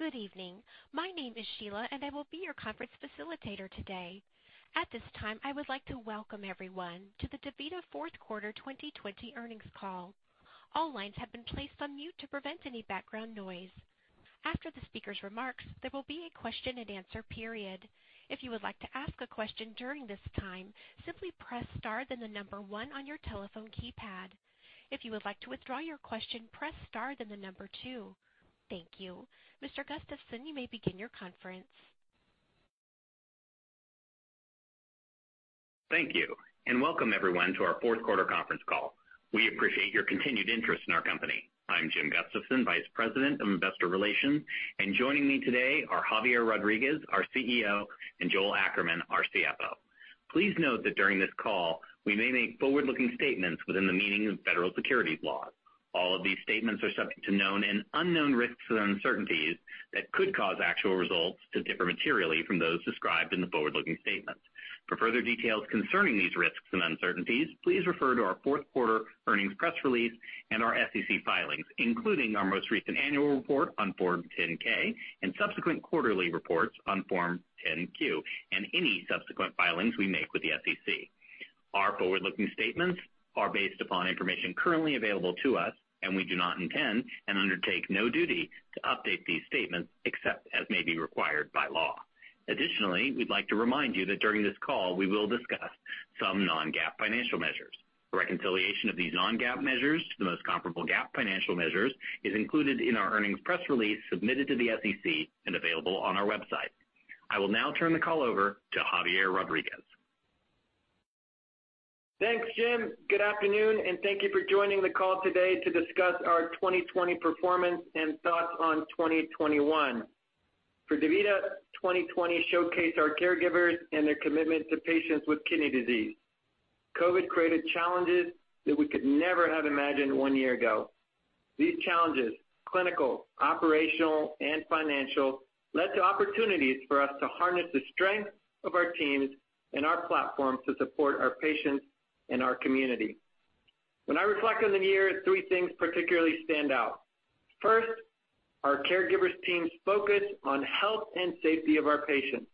Good evening. My name is Sheila, and I will be your conference facilitator today. At this time, I would like to welcome everyone to the DaVita Fourth Quarter 2020 Earnings Call. All lines have been placed on mute to prevent any background noise. After the speaker's remarks, there will be a question and answer period. If you would like to ask a question during this time, simply press star then the number one on your telephone keypad. If you would like to withdraw your question, press star then the number two. Thank you. Mr. Gustafson, you may begin your conference. Thank you. Welcome everyone to our fourth quarter conference call. We appreciate your continued interest in our company. I'm Jim Gustafson, Vice President, Investor Relations, and joining me today are Javier Rodriguez, our CEO, and Joel Ackerman, our CFO. Please note that during this call, we may make forward-looking statements within the meaning of federal securities laws. All of these statements are subject to known and unknown risks and uncertainties that could cause actual results to differ materially from those described in the forward-looking statements. For further details concerning these risks and uncertainties, please refer to our fourth quarter earnings press release and our SEC filings, including our most recent annual report on Form 10-K and subsequent quarterly reports on Form 10-Q, and any subsequent filings we make with the SEC. Our forward-looking statements are based upon information currently available to us, and we do not intend and undertake no duty to update these statements except as may be required by law. Additionally, we'd like to remind you that during this call, we will discuss some non-GAAP financial measures. A reconciliation of these non-GAAP measures to the most comparable GAAP financial measures is included in our earnings press release submitted to the SEC and available on our website. I will now turn the call over to Javier Rodriguez. Thanks, Jim. Good afternoon. Thank you for joining the call today to discuss our 2020 performance and thoughts on 2021. For DaVita, 2020 showcased our caregivers and their commitment to patients with kidney disease. COVID created challenges that we could never have imagined one year ago. These challenges, clinical, operational, and financial, led to opportunities for us to harness the strength of our teams and our platform to support our patients and our community. When I reflect on the year, three things particularly stand out. First, our caregivers team's focus on health and safety of our patients.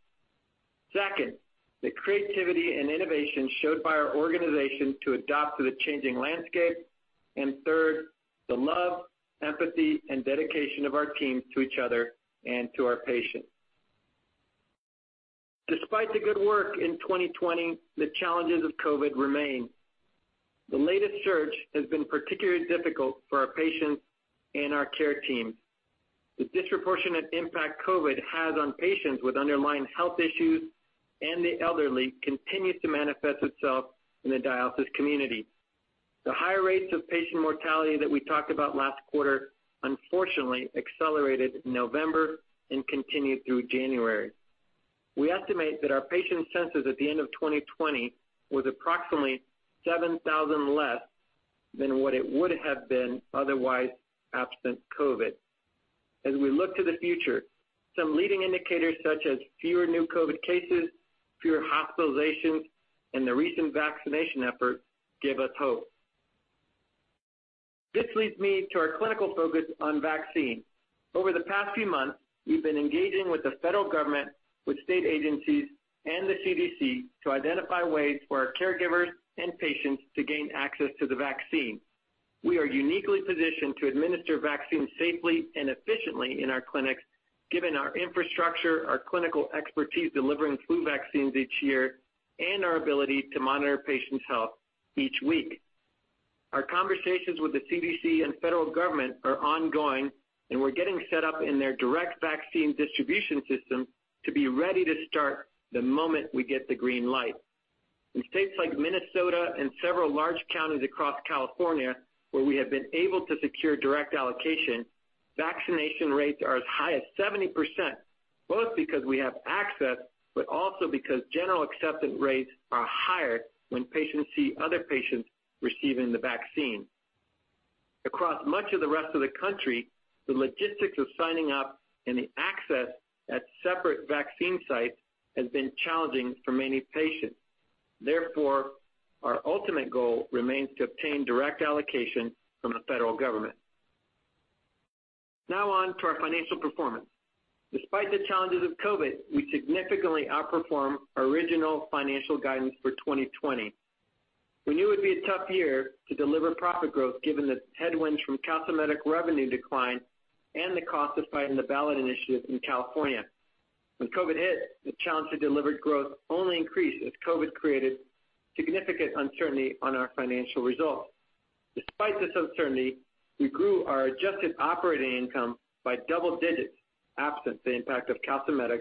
Second, the creativity and innovation showed by our organization to adapt to the changing landscape. Third, the love, empathy, and dedication of our teams to each other and to our patients. Despite the good work in 2020, the challenges of COVID remain. The latest surge has been particularly difficult for our patients and our care teams. The disproportionate impact COVID has on patients with underlying health issues and the elderly continues to manifest itself in the dialysis community. The higher rates of patient mortality that we talked about last quarter unfortunately accelerated in November and continued through January. We estimate that our patient census at the end of 2020 was approximately 7,000 less than what it would have been otherwise absent COVID. As we look to the future, some leading indicators such as fewer new COVID cases, fewer hospitalizations, and the recent vaccination effort give us hope. This leads me to our clinical focus on vaccine. Over the past few months, we've been engaging with the federal government, with state agencies, and the CDC to identify ways for our caregivers and patients to gain access to the vaccine. We are uniquely positioned to administer vaccines safely and efficiently in our clinics given our infrastructure, our clinical expertise delivering flu vaccines each year, and our ability to monitor patients' health each week. Our conversations with the CDC and federal government are ongoing, and we're getting set up in their direct vaccine distribution system to be ready to start the moment we get the green light. In states like Minnesota and several large counties across California, where we have been able to secure direct allocation, vaccination rates are as high as 70%, both because we have access, but also because general acceptance rates are higher when patients see other patients receiving the vaccine. Across much of the rest of the country, the logistics of signing up and the access at separate vaccine sites has been challenging for many patients. Therefore, our ultimate goal remains to obtain direct allocation from the federal government. On to our financial performance. Despite the challenges of COVID, we significantly outperformed our original financial guidance for 2020. We knew it would be a tough year to deliver profit growth given the headwinds from calcimimetic revenue decline and the cost of fighting the ballot initiative in California. COVID hit, the challenge to deliver growth only increased as COVID created significant uncertainty on our financial results. Despite this uncertainty, we grew our adjusted operating income by double digits absent the impact of calcimimetic,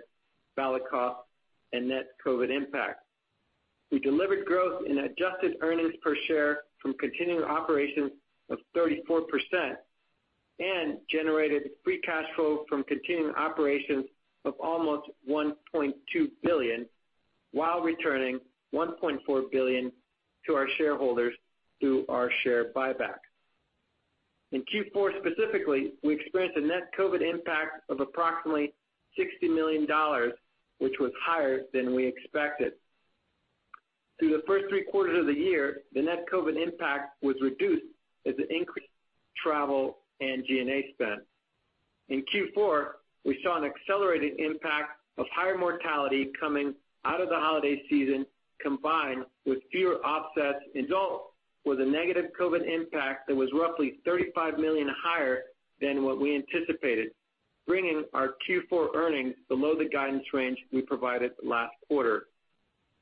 ballot costs, and net COVID impact. We delivered growth in adjusted earnings per share from continuing operations of 34% and generated free cash flow from continuing operations of almost $1.2 billion while returning $1.4 billion to our shareholders through our share buyback. In Q4 specifically, we experienced a net COVID impact of approximately $60 million, which was higher than we expected. Through the first three quarters of the year, the net COVID impact was reduced as it increased travel and G&A spend. In Q4, we saw an accelerated impact of higher mortality coming out of the holiday season, combined with fewer offsets, and results with a negative COVID impact that was roughly $35 million higher than what we anticipated, bringing our Q4 earnings below the guidance range we provided last quarter.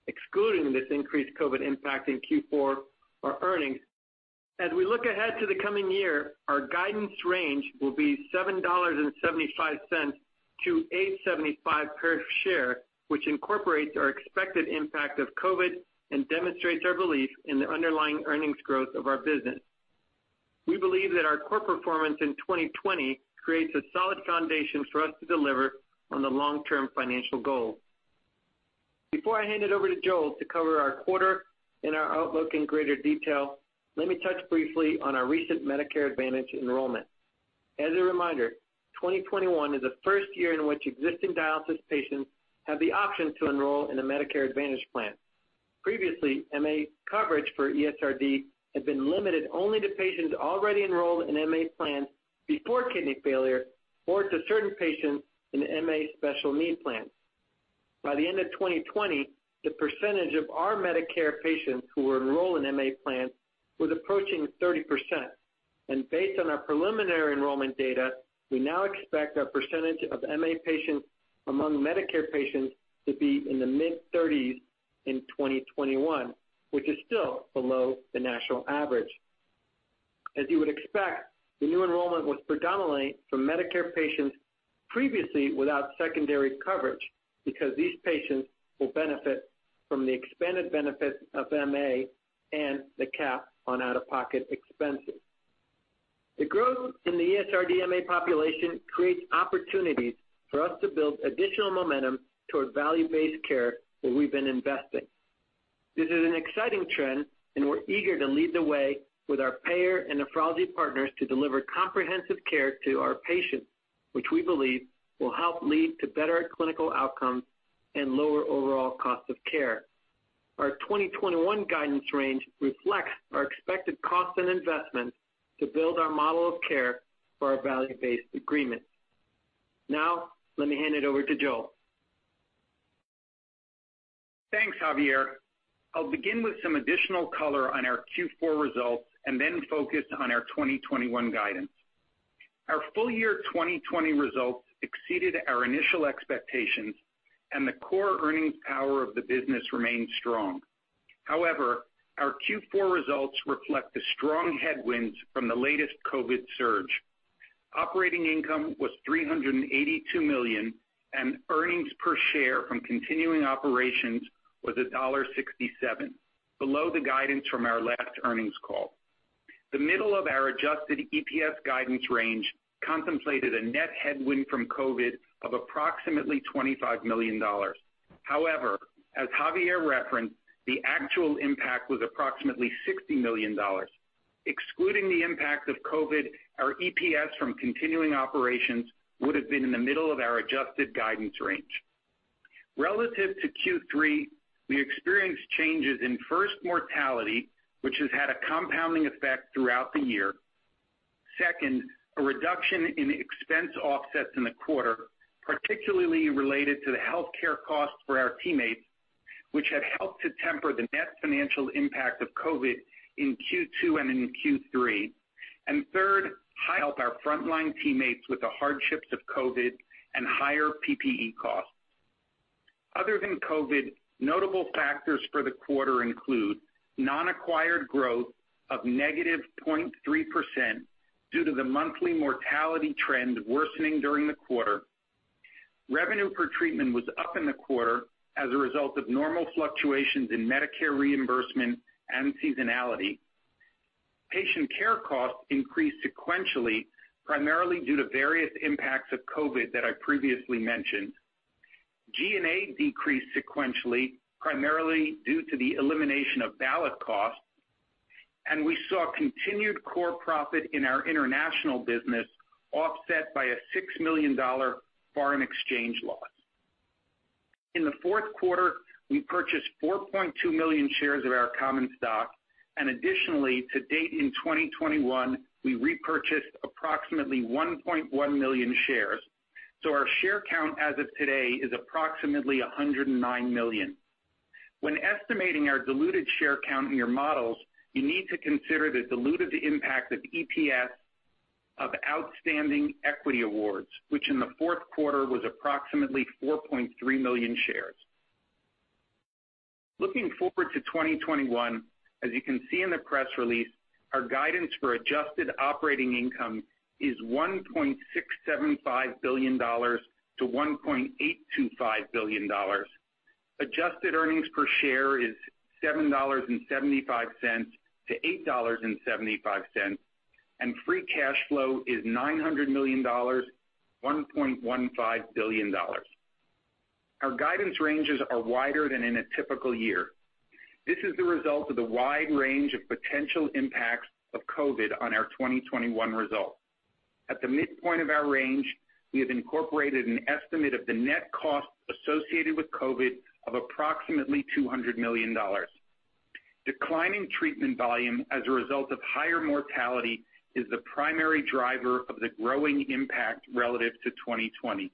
Excluding this increased COVID impact in Q4, our earnings. As we look ahead to the coming year, our guidance range will be $7.75-$8.75 per share, which incorporates our expected impact of COVID and demonstrates our belief in the underlying earnings growth of our business. We believe that our core performance in 2020 creates a solid foundation for us to deliver on the long-term financial goals. Before I hand it over to Joel to cover our quarter and our outlook in greater detail, let me touch briefly on our recent Medicare Advantage enrollment. As a reminder, 2021 is the first year in which existing dialysis patients have the option to enroll in a Medicare Advantage plan. Previously, MA coverage for ESRD had been limited only to patients already enrolled in MA plans before kidney failure, or to certain patients in MA Special Needs Plans. By the end of 2020, the percentage of our Medicare patients who were enrolled in MA plans was approaching 30%. Based on our preliminary enrollment data, we now expect our percentage of MA patients among Medicare patients to be in the mid-30s in 2021, which is still below the national average. As you would expect, the new enrollment was predominantly from Medicare patients previously without secondary coverage, because these patients will benefit from the expanded benefits of MA and the cap on out-of-pocket expenses. The growth in the ESRD MA population creates opportunities for us to build additional momentum towards value-based care where we've been investing. This is an exciting trend, and we're eager to lead the way with our payer and nephrology partners to deliver comprehensive care to our patients, which we believe will help lead to better clinical outcomes and lower overall cost of care. Our 2021 guidance range reflects our expected cost and investment to build our model of care for our value-based agreements. Now, let me hand it over to Joel. Thanks, Javier. I'll begin with some additional color on our Q4 results and then focus on our 2021 guidance. Our full year 2020 results exceeded our initial expectations, and the core earnings power of the business remains strong. Our Q4 results reflect the strong headwinds from the latest COVID surge. Operating income was $382 million, and earnings per share from continuing operations was $1.67, below the guidance from our last earnings call. The middle of our adjusted EPS guidance range contemplated a net headwind from COVID of approximately $25 million. As Javier referenced, the actual impact was approximately $60 million. Excluding the impact of COVID, our EPS from continuing operations would've been in the middle of our adjusted guidance range. Relative to Q3, we experienced changes in, first, mortality, which has had a compounding effect throughout the year. Second, a reduction in expense offsets in the quarter, particularly related to the healthcare costs for our teammates, which had helped to temper the net financial impact of COVID in Q2 and in Q3. Third, [high help] our frontline teammates with the hardships of COVID and higher PPE costs. Other than COVID, notable factors for the quarter include non-acquired growth of -0.3% due to the monthly mortality trend worsening during the quarter. Revenue per treatment was up in the quarter as a result of normal fluctuations in Medicare reimbursement and seasonality. Patient care costs increased sequentially, primarily due to various impacts of COVID that I previously mentioned. G&A decreased sequentially, primarily due to the elimination of bad debt costs. We saw continued core profit in our international business offset by a $6 million foreign exchange loss. In the fourth quarter, we purchased 4.2 million shares of our common stock. Additionally, to date in 2021, we repurchased approximately 1.1 million shares. Our share count as of today is approximately 109 million. When estimating our diluted share count in your models, you need to consider the diluted impact of EPS of outstanding equity awards, which in the fourth quarter was approximately 4.3 million shares. Looking forward to 2021, as you can see in the press release, our guidance for adjusted operating income is $1.675 billion-$1.825 billion. Adjusted earnings per share is $7.75-$8.75. Free cash flow is $900 million-$1.15 billion. Our guidance ranges are wider than in a typical year. This is the result of the wide range of potential impacts of COVID on our 2021 results. At the midpoint of our range, we have incorporated an estimate of the net cost associated with COVID of approximately $200 million. Declining treatment volume as a result of higher mortality is the primary driver of the growing impact relative to 2020.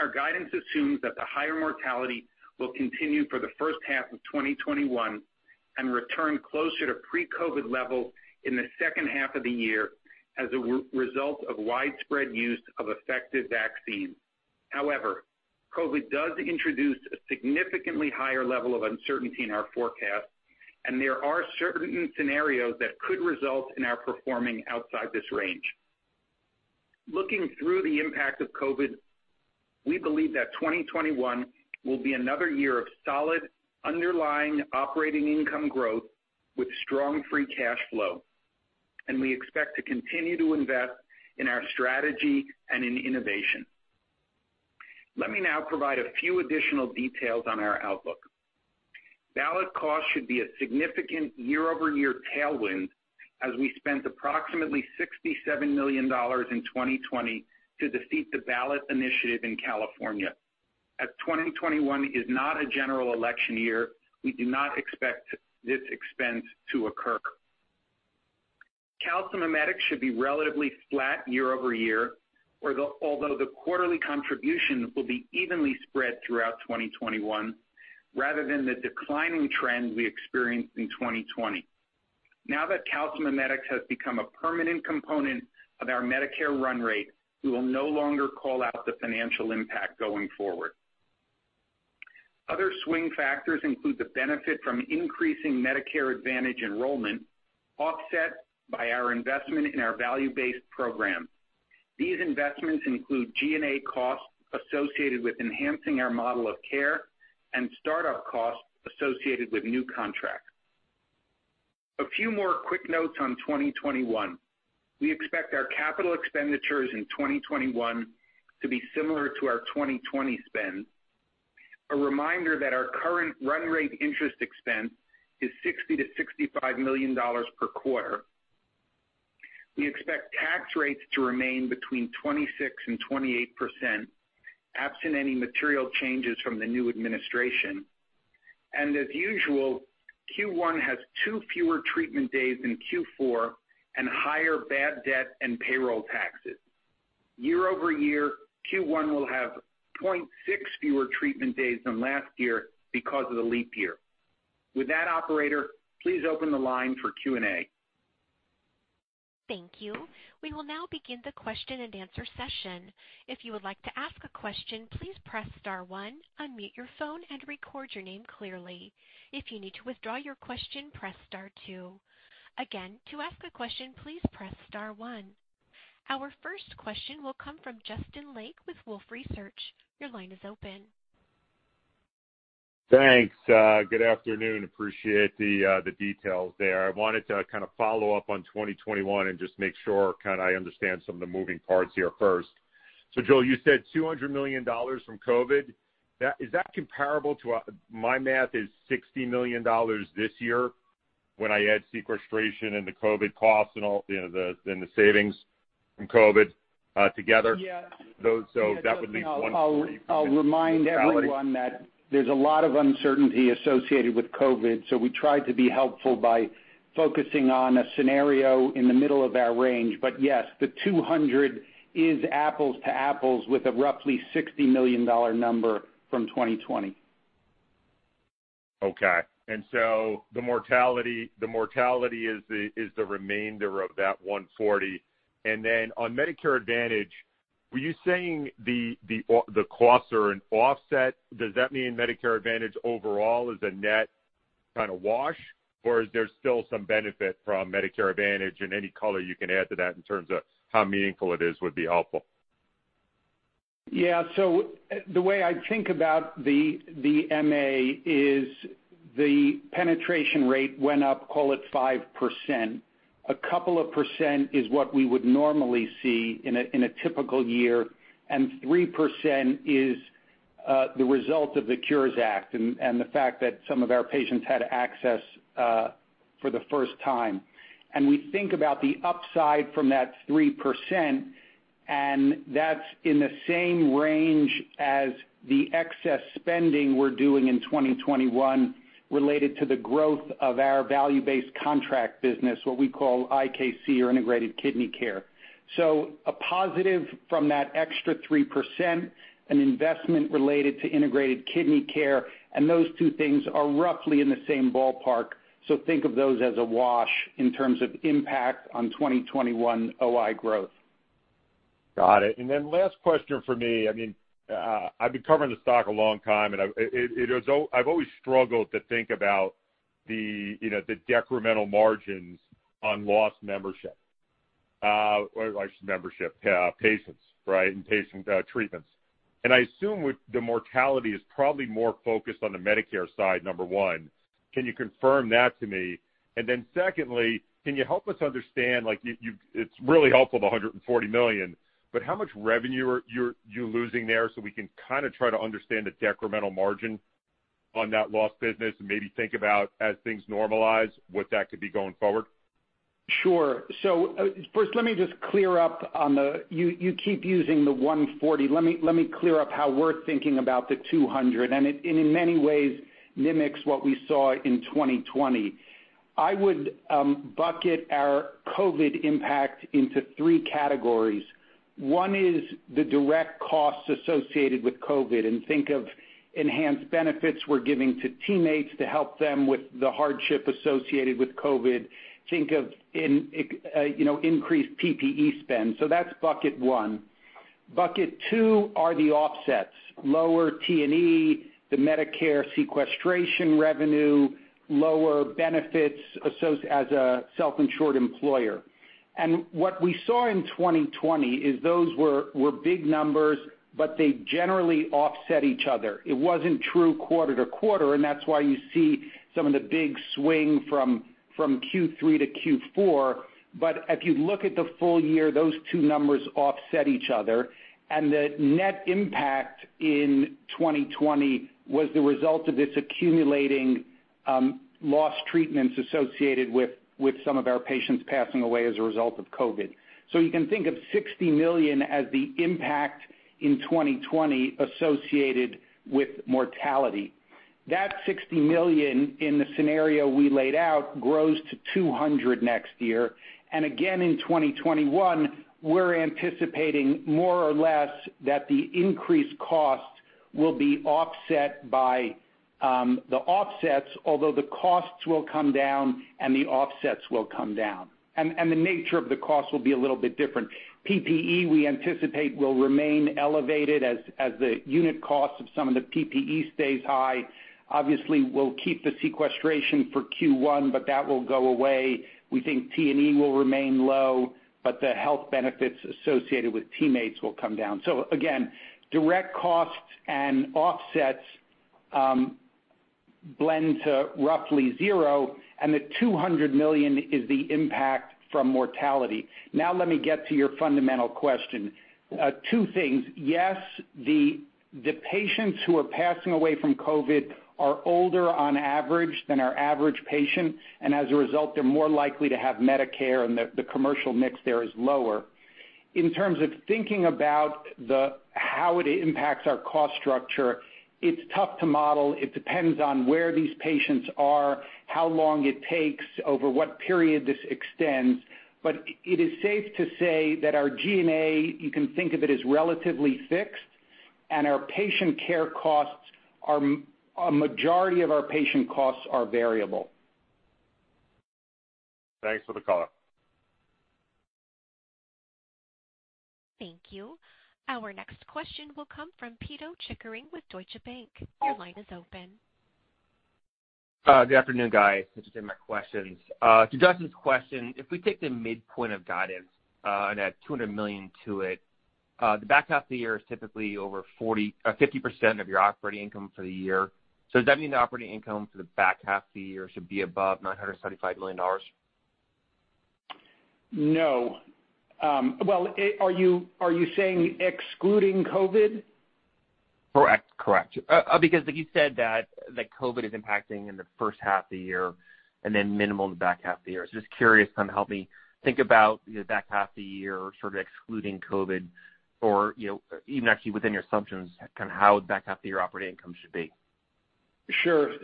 Our guidance assumes that the higher mortality will continue for the first half of 2021, and return closer to pre-COVID levels in the second half of the year as a result of widespread use of effective vaccines. However, COVID does introduce a significantly higher level of uncertainty in our forecast, and there are certain scenarios that could result in our performing outside this range. Looking through the impact of COVID, we believe that 2021 will be another year of solid underlying operating income growth with strong free cash flow, and we expect to continue to invest in our strategy and in innovation. Let me now provide a few additional details on our outlook. Ballot costs should be a significant year-over-year tailwind as we spent approximately $67 million in 2020 to defeat the ballot initiative in California. As 2021 is not a general election year, we do not expect this expense to occur. Calcimimetics should be relatively flat year-over-year, although the quarterly contribution will be evenly spread throughout 2021 rather than the declining trend we experienced in 2020. That calcimimetics has become a permanent component of our Medicare run rate, we will no longer call out the financial impact going forward. Other swing factors include the benefit from increasing Medicare Advantage enrollment offset by our investment in our value-based program. These investments include G&A costs associated with enhancing our model of care and start-up costs associated with new contracts. A few more quick notes on 2021. We expect our capital expenditures in 2021 to be similar to our 2020 spend. A reminder that our current run rate interest expense is $60 million-$65 million per quarter. We expect tax rates to remain between 26% and 28%, absent any material changes from the new administration. As usual, Q1 has two fewer treatment days in Q4 and higher bad debt and payroll taxes. Year-over-year, Q1 will have 0.6 fewer treatment days than last year because of the leap year. With that, operator, please open the line for Q&A. Thank you. We will now begin the question-and-answer session. If you would like to ask a question, please press star one, unmute your phone, and record your name clearly. If you need to withdraw your question, press star two. Again, to ask a question, please press star one. Our first question will come from Justin Lake with Wolfe Research. Your line is open. Thanks. Good afternoon. Appreciate the details there. I wanted to follow up on 2021 and just make sure I understand some of the moving parts here first. Joel, you said $200 million from COVID. Is that comparable to, my math is $60 million this year when I add sequestration and the COVID costs and the savings from COVID together? Yeah. That leaves $140 for mortality. I'll remind everyone that there's a lot of uncertainty associated with COVID. We try to be helpful by focusing on a scenario in the middle of our range. Yes, the $200 is apples to apples with a roughly $60 million number from 2020. Okay. The mortality is the remainder of that $140. On Medicare Advantage, were you saying the costs are an offset? Does that mean Medicare Advantage overall is a net wash, or is there still some benefit from Medicare Advantage? Any color you can add to that in terms of how meaningful it is would be helpful. Yeah. The way I think about the MA is the penetration rate went up, call it 5%. A couple of percent is what we would normally see in a typical year, and 3% is the result of the Cures Act and the fact that some of our patients had access for the first time. We think about the upside from that 3%, and that's in the same range as the excess spending we're doing in 2021 related to the growth of our value-based contract business, what we call IKC or Integrated Kidney Care. A positive from that extra 3%, an investment related to Integrated Kidney Care, and those two things are roughly in the same ballpark. Think of those as a wash in terms of impact on 2021 OI growth. Got it. Last question from me. I've been covering the stock a long time, and I've always struggled to think about the decremental margins on lost membership, patients, right? And patient treatments. I assume with the mortality is probably more focused on the Medicare side, number one. Can you confirm that to me? Secondly, can you help us understand, it's really helpful, the $140 million, but how much revenue are you losing there so we can try to understand the decremental margin on that lost business, and maybe think about as things normalize, what that could be going forward? Sure. First, let me just clear up on the you keep using the $140. Let me clear up how we're thinking about the $200, and it, in many ways, mimics what we saw in 2020. I would bucket our COVID impact into three categories. One is the direct costs associated with COVID, and think of enhanced benefits we're giving to teammates to help them with the hardship associated with COVID. Think of increased PPE spend. That's bucket one. Bucket two are the offsets. Lower T&E, the Medicare sequestration revenue, lower benefits associated as a self-insured employer. What we saw in 2020 is those were big numbers, but they generally offset each other. It wasn't true quarter to quarter, and that's why you see some of the big swing from Q3 to Q4. If you look at the full year, those two numbers offset each other, and the net impact in 2020 was the result of this accumulating lost treatments associated with some of our patients passing away as a result of COVID. You can think of $60 million as the impact in 2020 associated with mortality. That $60 million in the scenario we laid out grows to $200 million next year. Again in 2021, we're anticipating more or less that the increased cost will be offset by the offsets, although the costs will come down and the offsets will come down. The nature of the cost will be a little bit different. PPE, we anticipate will remain elevated as the unit cost of some of the PPE stays high. Obviously, we'll keep the sequestration for Q1, that will go away. We think T&E will remain low. The health benefits associated with teammates will come down. Again, direct costs and offsets blend to roughly zero, and the $200 million is the impact from mortality. Now let me get to your fundamental question. Two things. Yes, the patients who are passing away from COVID are older on average than our average patient, and as a result, they're more likely to have Medicare and the commercial mix there is lower. In terms of thinking about how it impacts our cost structure, it's tough to model. It depends on where these patients are, how long it takes, over what period this extends. It is safe to say that our G&A, you can think of it as relatively fixed, and a majority of our patient costs are variable. Thanks for the call. Thank you. Our next question will come from Pito Chickering with Deutsche Bank. Your line is open. Good afternoon, guys. Thanks for taking my questions. To Justin's question, if we take the midpoint of guidance and add $200 million to it, the back half of the year is typically over 50% of your operating income for the year. Does that mean the operating income for the back half of the year should be above $975 million? No. Well, are you saying excluding COVID? Correct. You said that COVID is impacting in the first half of the year and then minimal in the back half of the year. Just curious, kind of help me think about the back half of the year, sort of excluding COVID or even actually within your assumptions, kind of how the back half of your operating income should be. Sure.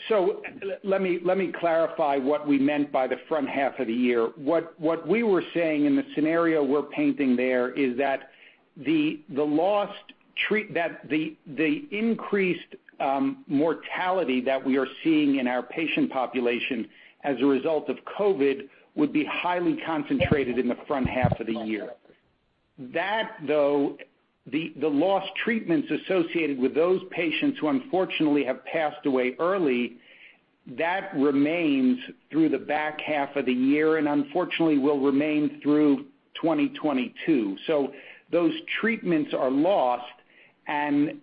Let me clarify what we meant by the front half of the year. What we were saying in the scenario we're painting there is that the increased mortality that we are seeing in our patient population as a result of COVID would be highly concentrated in the front half of the year. That though, the lost treatments associated with those patients who unfortunately have passed away early, that remains through the back half of the year, and unfortunately will remain through 2022. Those treatments are lost, and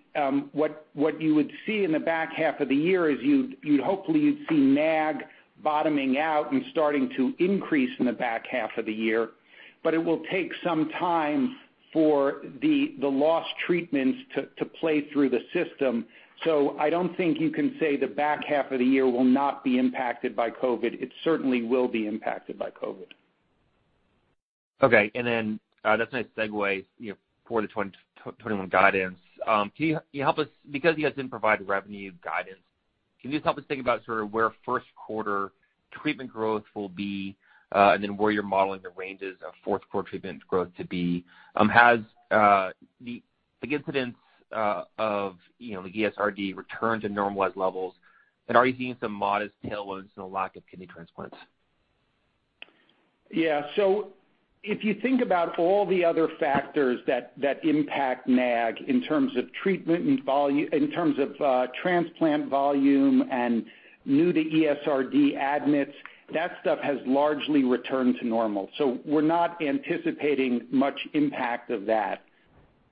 what you would see in the back half of the year is you'd hopefully see NAG bottoming out and starting to increase in the back half of the year. It will take some time for the lost treatments to play through the system. I don't think you can say the back half of the year will not be impacted by COVID. It certainly will be impacted by COVID. Okay. That's a nice segue for the 2021 guidance. Can you help us, because you guys didn't provide revenue guidance, can you just help us think about sort of where first quarter treatment growth will be, and then where you're modeling the ranges of fourth quarter treatment growth to be? Has the incidence of the ESRD returned to normalized levels? Are you seeing some modest tailwinds in the lack of kidney transplants? Yeah. If you think about all the other factors that impact NAG in terms of treatment and volume-- in terms of transplant volume and new to ESRD admits, that stuff has largely returned to normal. We're not anticipating much impact of that.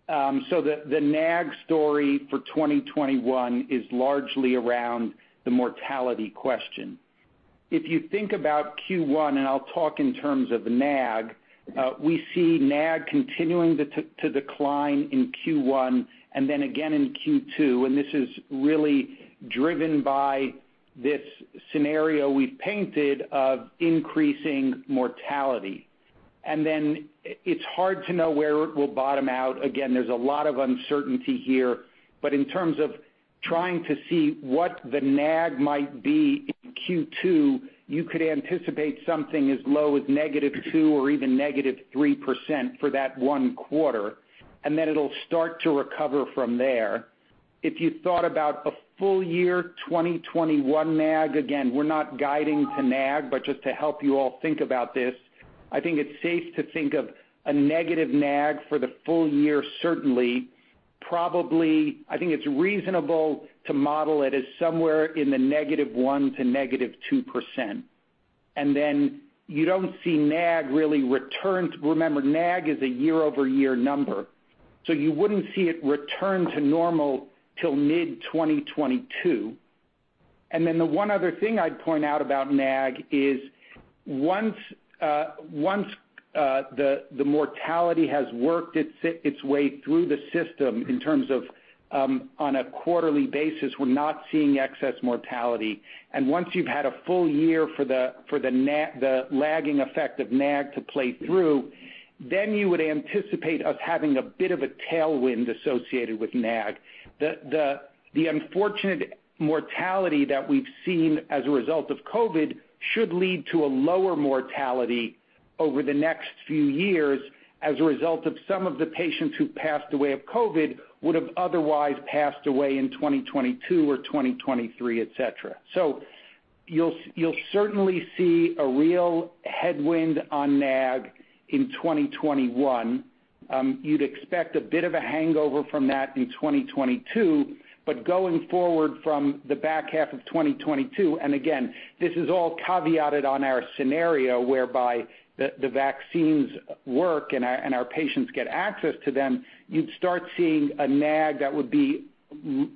The NAG story for 2021 is largely around the mortality question. If you think about Q1, and I'll talk in terms of the NAG, we see NAG continuing to decline in Q1 and then again in Q2, and this is really driven by this scenario we've painted of increasing mortality. It's hard to know where it will bottom out. Again, there's a lot of uncertainty here, but in terms of trying to see what the NAG might be in Q2, you could anticipate something as low as -2% or even -3% for that one quarter, and then it'll start to recover from there. If you thought about a full year 2021 NAG, again, we're not guiding to NAG, but just to help you all think about this, I think it's safe to think of a negative NAG for the full year, certainly, probably, I think it's reasonable to model it as somewhere in the -1% to -2%. You don't see NAG really return. Remember, NAG is a year-over-year number. You wouldn't see it return to normal till mid-2022. The one other thing I'd point out about NAG is once the mortality has worked its way through the system in terms of on a quarterly basis, we're not seeing excess mortality. Once you've had a full year for the lagging effect of NAG to play through, then you would anticipate us having a bit of a tailwind associated with NAG. The unfortunate mortality that we've seen as a result of COVID should lead to a lower mortality over the next few years as a result of some of the patients who passed away of COVID, would've otherwise passed away in 2022 or 2023, et cetera. You'll certainly see a real headwind on NAG in 2021. You'd expect a bit of a hangover from that in 2022, but going forward from the back half of 2022, and again, this is all caveated on our scenario whereby the vaccines work and our patients get access to them, you'd start seeing a NAG that would be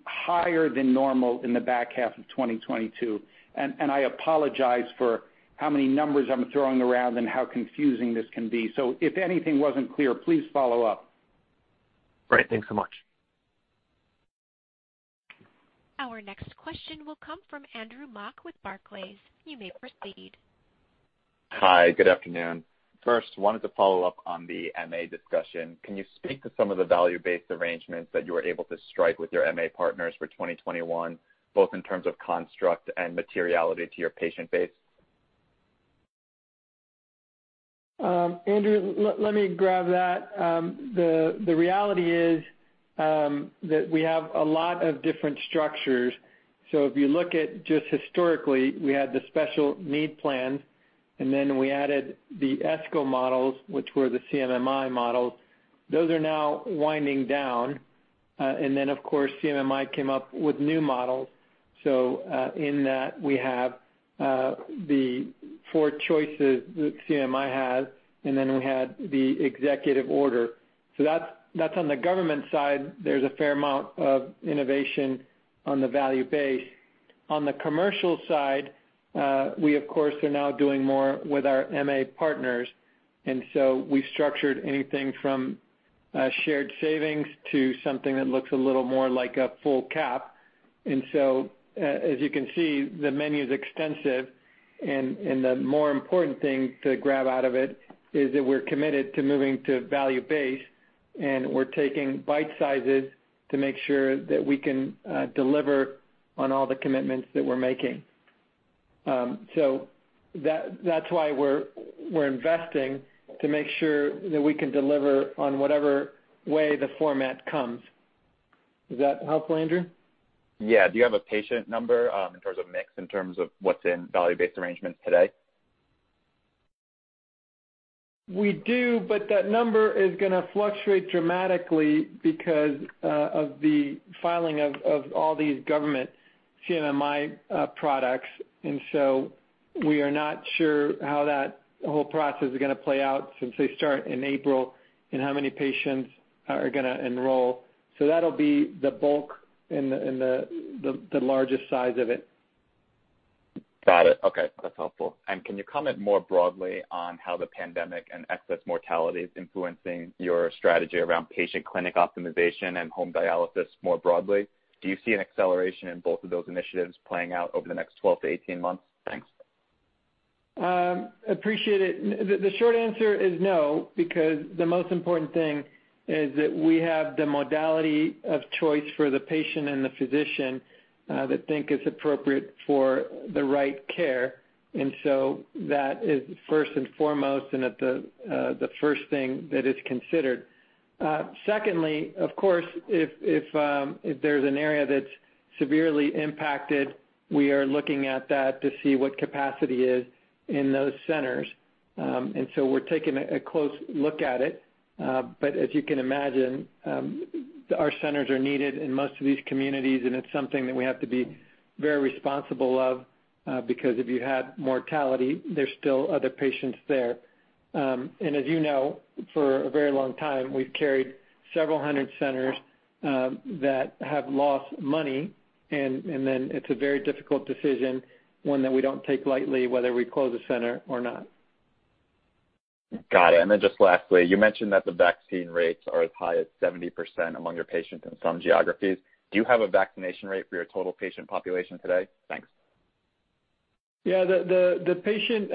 higher than normal in the back half of 2022. I apologize for how many numbers I'm throwing around and how confusing this can be. If anything wasn't clear, please follow up. Great. Thanks so much. Our next question will come from Andrew Mok with Barclays. You may proceed. Hi, good afternoon. Wanted to follow up on the MA discussion. Can you speak to some of the value-based arrangements that you were able to strike with your MA partners for 2021, both in terms of construct and materiality to your patient base? Andrew, let me grab that. The reality is that we have a lot of different structures. If you look at just historically, we had the Special Needs Plans, and then we added the ESCO models, which were the CMMI models. Those are now winding down. Of course, CMMI came up with new models. In that, we have the four choices that CMMI has, and then we had the executive order. That's on the government side. There's a fair amount of innovation on the value base. On the commercial side, we of course, are now doing more with our MA partners, and so we've structured anything from shared savings to something that looks a little more like a full cap. As you can see, the menu is extensive, and the more important thing to grab out of it is that we're committed to moving to value-based, and we're taking bite sizes to make sure that we can deliver on all the commitments that we're making. That's why we're investing to make sure that we can deliver on whatever way the format comes. Does that help, Andrew? Yeah. Do you have a patient number in terms of mix, in terms of what's in value-based arrangements today? We do, but that number is gonna fluctuate dramatically because of the filing of all these government CMMI products, and so we are not sure how that whole process is gonna play out since they start in April and how many patients are gonna enroll. That'll be the bulk and the largest size of it. Got it. Okay. That's helpful. Can you comment more broadly on how the pandemic and excess mortality is influencing your strategy around patient clinic optimization and home dialysis more broadly? Do you see an acceleration in both of those initiatives playing out over the next 12 to 18 months? Thanks. Appreciate it. The short answer is no, because the most important thing is that we have the modality of choice for the patient and the physician that think it's appropriate for the right care, and so that is first and foremost and the first thing that is considered. Secondly, of course, if there's an area that's severely impacted, we are looking at that to see what capacity is in those centers. We're taking a close look at it. As you can imagine, our centers are needed in most of these communities, and it's something that we have to be very responsible of, because if you have mortality, there's still other patients there. As you know, for a very long time, we've carried several hundred centers that have lost money. It's a very difficult decision, one that we don't take lightly, whether we close a center or not. Got it. Just lastly, you mentioned that the vaccine rates are as high as 70% among your patients in some geographies. Do you have a vaccination rate for your total patient population today? Thanks. Yeah. The patient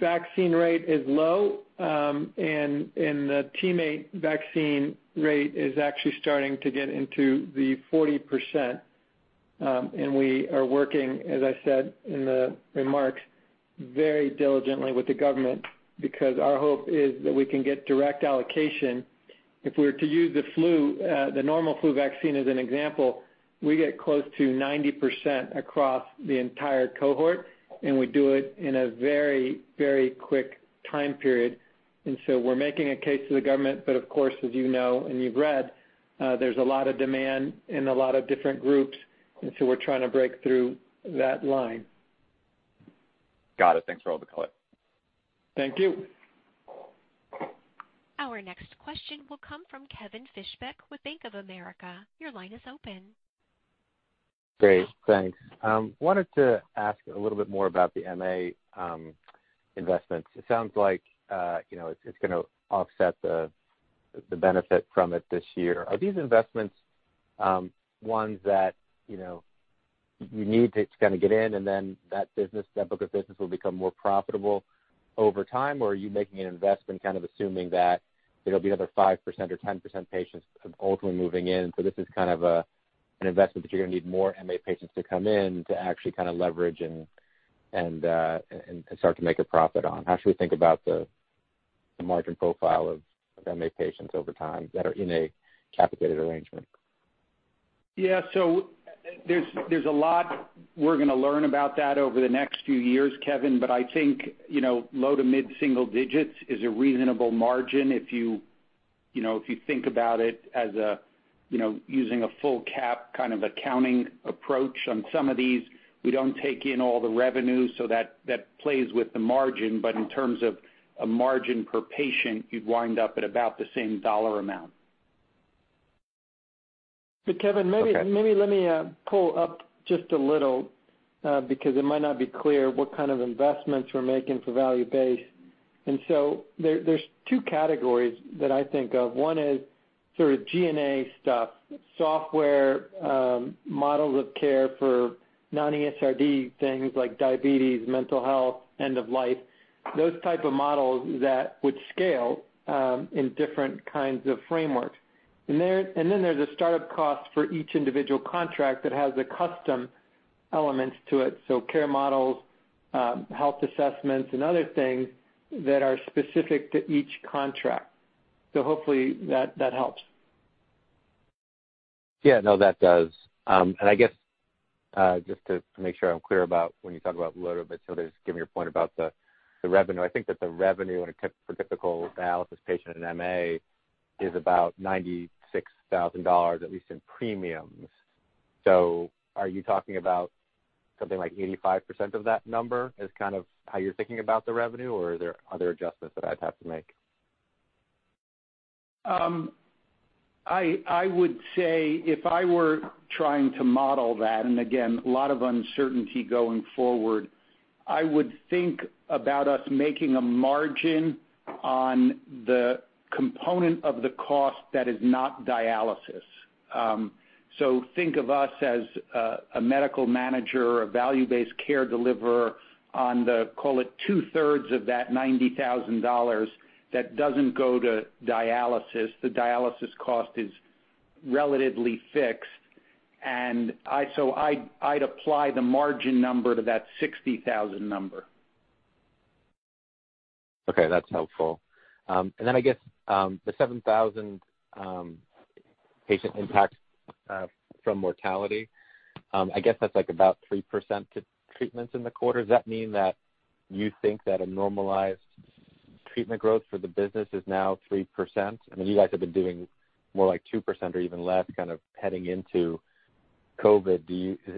vaccine rate is low, the teammate vaccine rate is actually starting to get into the 40%. We are working, as I said in the remarks, very diligently with the government, because our hope is that we can get direct allocation. If we were to use the normal flu vaccine as an example, we get close to 90% across the entire cohort, and we do it in a very quick time period. We're making a case to the government. Of course, as you know and you've read, there's a lot of demand in a lot of different groups. We're trying to break through that line. Got it. Thanks for all the color. Thank you. Our next question will come from Kevin Fischbeck with Bank of America. Your line is open. Great. Thanks. Wanted to ask a little bit more about the MA investments. It sounds like it's going to offset the benefit from it this year. Are these investments ones that you need to kind of get in and then that book of business will become more profitable over time? Or are you making an investment, kind of assuming that there'll be another 5% or 10% patients ultimately moving in, so this is kind of an investment that you're going to need more MA patients to come in to actually kind of leverage and start to make a profit on? How should we think about the margin profile of MA patients over time that are in a capitated arrangement? Yeah. There's a lot we're going to learn about that over the next few years, Kevin, but I think low to mid single digits is a reasonable margin if you think about it as using a full cap kind of accounting approach on some of these. We don't take in all the revenue, so that plays with the margin. In terms of a margin per patient, you'd wind up at about the same dollar amount. Kevin, maybe let me pull up just a little, because it might not be clear what kind of investments we're making for value-based. There's two categories that I think of. One is sort of G&A stuff, software, models of care for non-ESRD things like diabetes, mental health, end of life, those type of models that would scale in different kinds of frameworks. There's a startup cost for each individual contract that has a custom element to it, so care models, health assessments, and other things that are specific to each contract. Hopefully that helps. Yeah, no, that does. I guess just to make sure I'm clear about when you talk about low double digits, given your point about the revenue, I think that the revenue for a typical dialysis patient in MA is about $96,000, at least in premiums. Are you talking about something like 85% of that number as kind of how you're thinking about the revenue, or are there other adjustments that I'd have to make? I would say if I were trying to model that, again, a lot of uncertainty going forward, I would think about us making a margin on the component of the cost that is not dialysis. Think of us as a medical manager, a value-based care deliverer on the, call it two-thirds of that $90,000 that doesn't go to dialysis. The dialysis cost is relatively fixed. I'd apply the margin number to that $60,000 number. Okay, that's helpful. I guess the 7,000 patient impact from mortality, I guess that's about 3% to treatments in the quarter. Does that mean that you think that a normalized treatment growth for the business is now 3%? I mean, you guys have been doing more like 2% or even less kind of heading into COVID.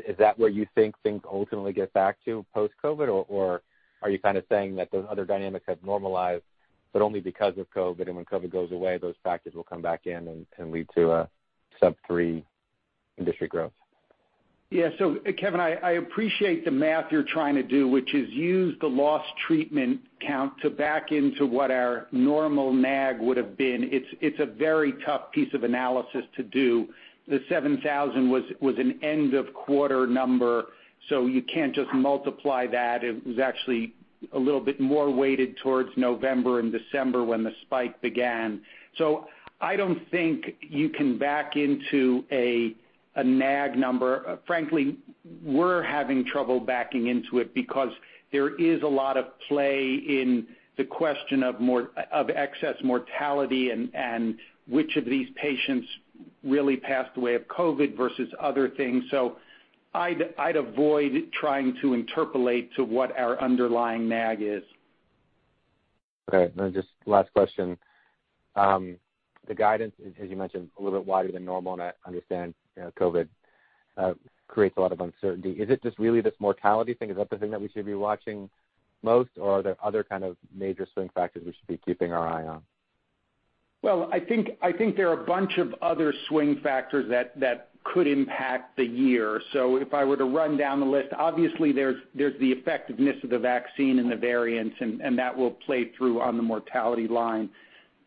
Is that where you think things ultimately get back to post-COVID? Are you kind of saying that those other dynamics have normalized, but only because of COVID, and when COVID goes away, those factors will come back in and lead to a sub three industry growth? Kevin, I appreciate the math you're trying to do, which is use the loss treatment count to back into what our normal NAG would've been. It's a very tough piece of analysis to do. The 7,000 was an end of quarter number, you can't just multiply that. It was actually a little bit more weighted towards November and December when the spike began. I don't think you can back into a NAG number. Frankly, we're having trouble backing into it because there is a lot of play in the question of excess mortality and which of these patients really passed away of COVID versus other things. I'd avoid trying to interpolate to what our underlying NAG is. Okay, just last question. The guidance is, as you mentioned, a little bit wider than normal, and I understand COVID creates a lot of uncertainty. Is it just really this mortality thing? Is that the thing that we should be watching most, or are there other kind of major swing factors we should be keeping our eye on? Well, I think there are a bunch of other swing factors that could impact the year. If I were to run down the list, obviously there's the effectiveness of the vaccine and the variants, and that will play through on the mortality line.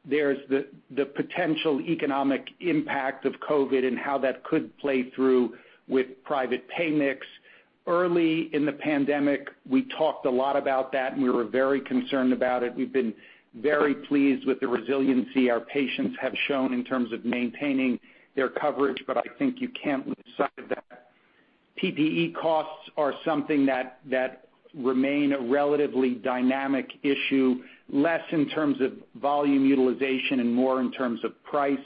There's the potential economic impact of COVID and how that could play through with private pay mix. Early in the pandemic, we talked a lot about that, and we were very concerned about it. We've been very pleased with the resiliency our patients have shown in terms of maintaining their coverage, but I think you can't lose sight of that. PPE costs are something that remain a relatively dynamic issue, less in terms of volume utilization and more in terms of price.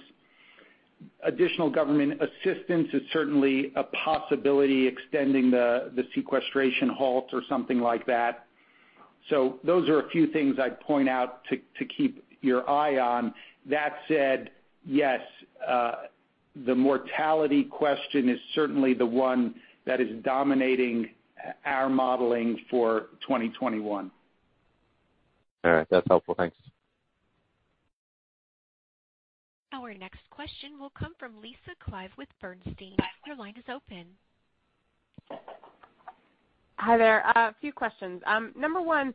Additional government assistance is certainly a possibility, extending the sequestration halt or something like that. Those are a few things I'd point out to keep your eye on. That said, yes, the mortality question is certainly the one that is dominating our modeling for 2021. All right. That's helpful. Thanks. Our next question will come from Lisa Clive with Bernstein. Your line is open. Hi there. A few questions. Number one,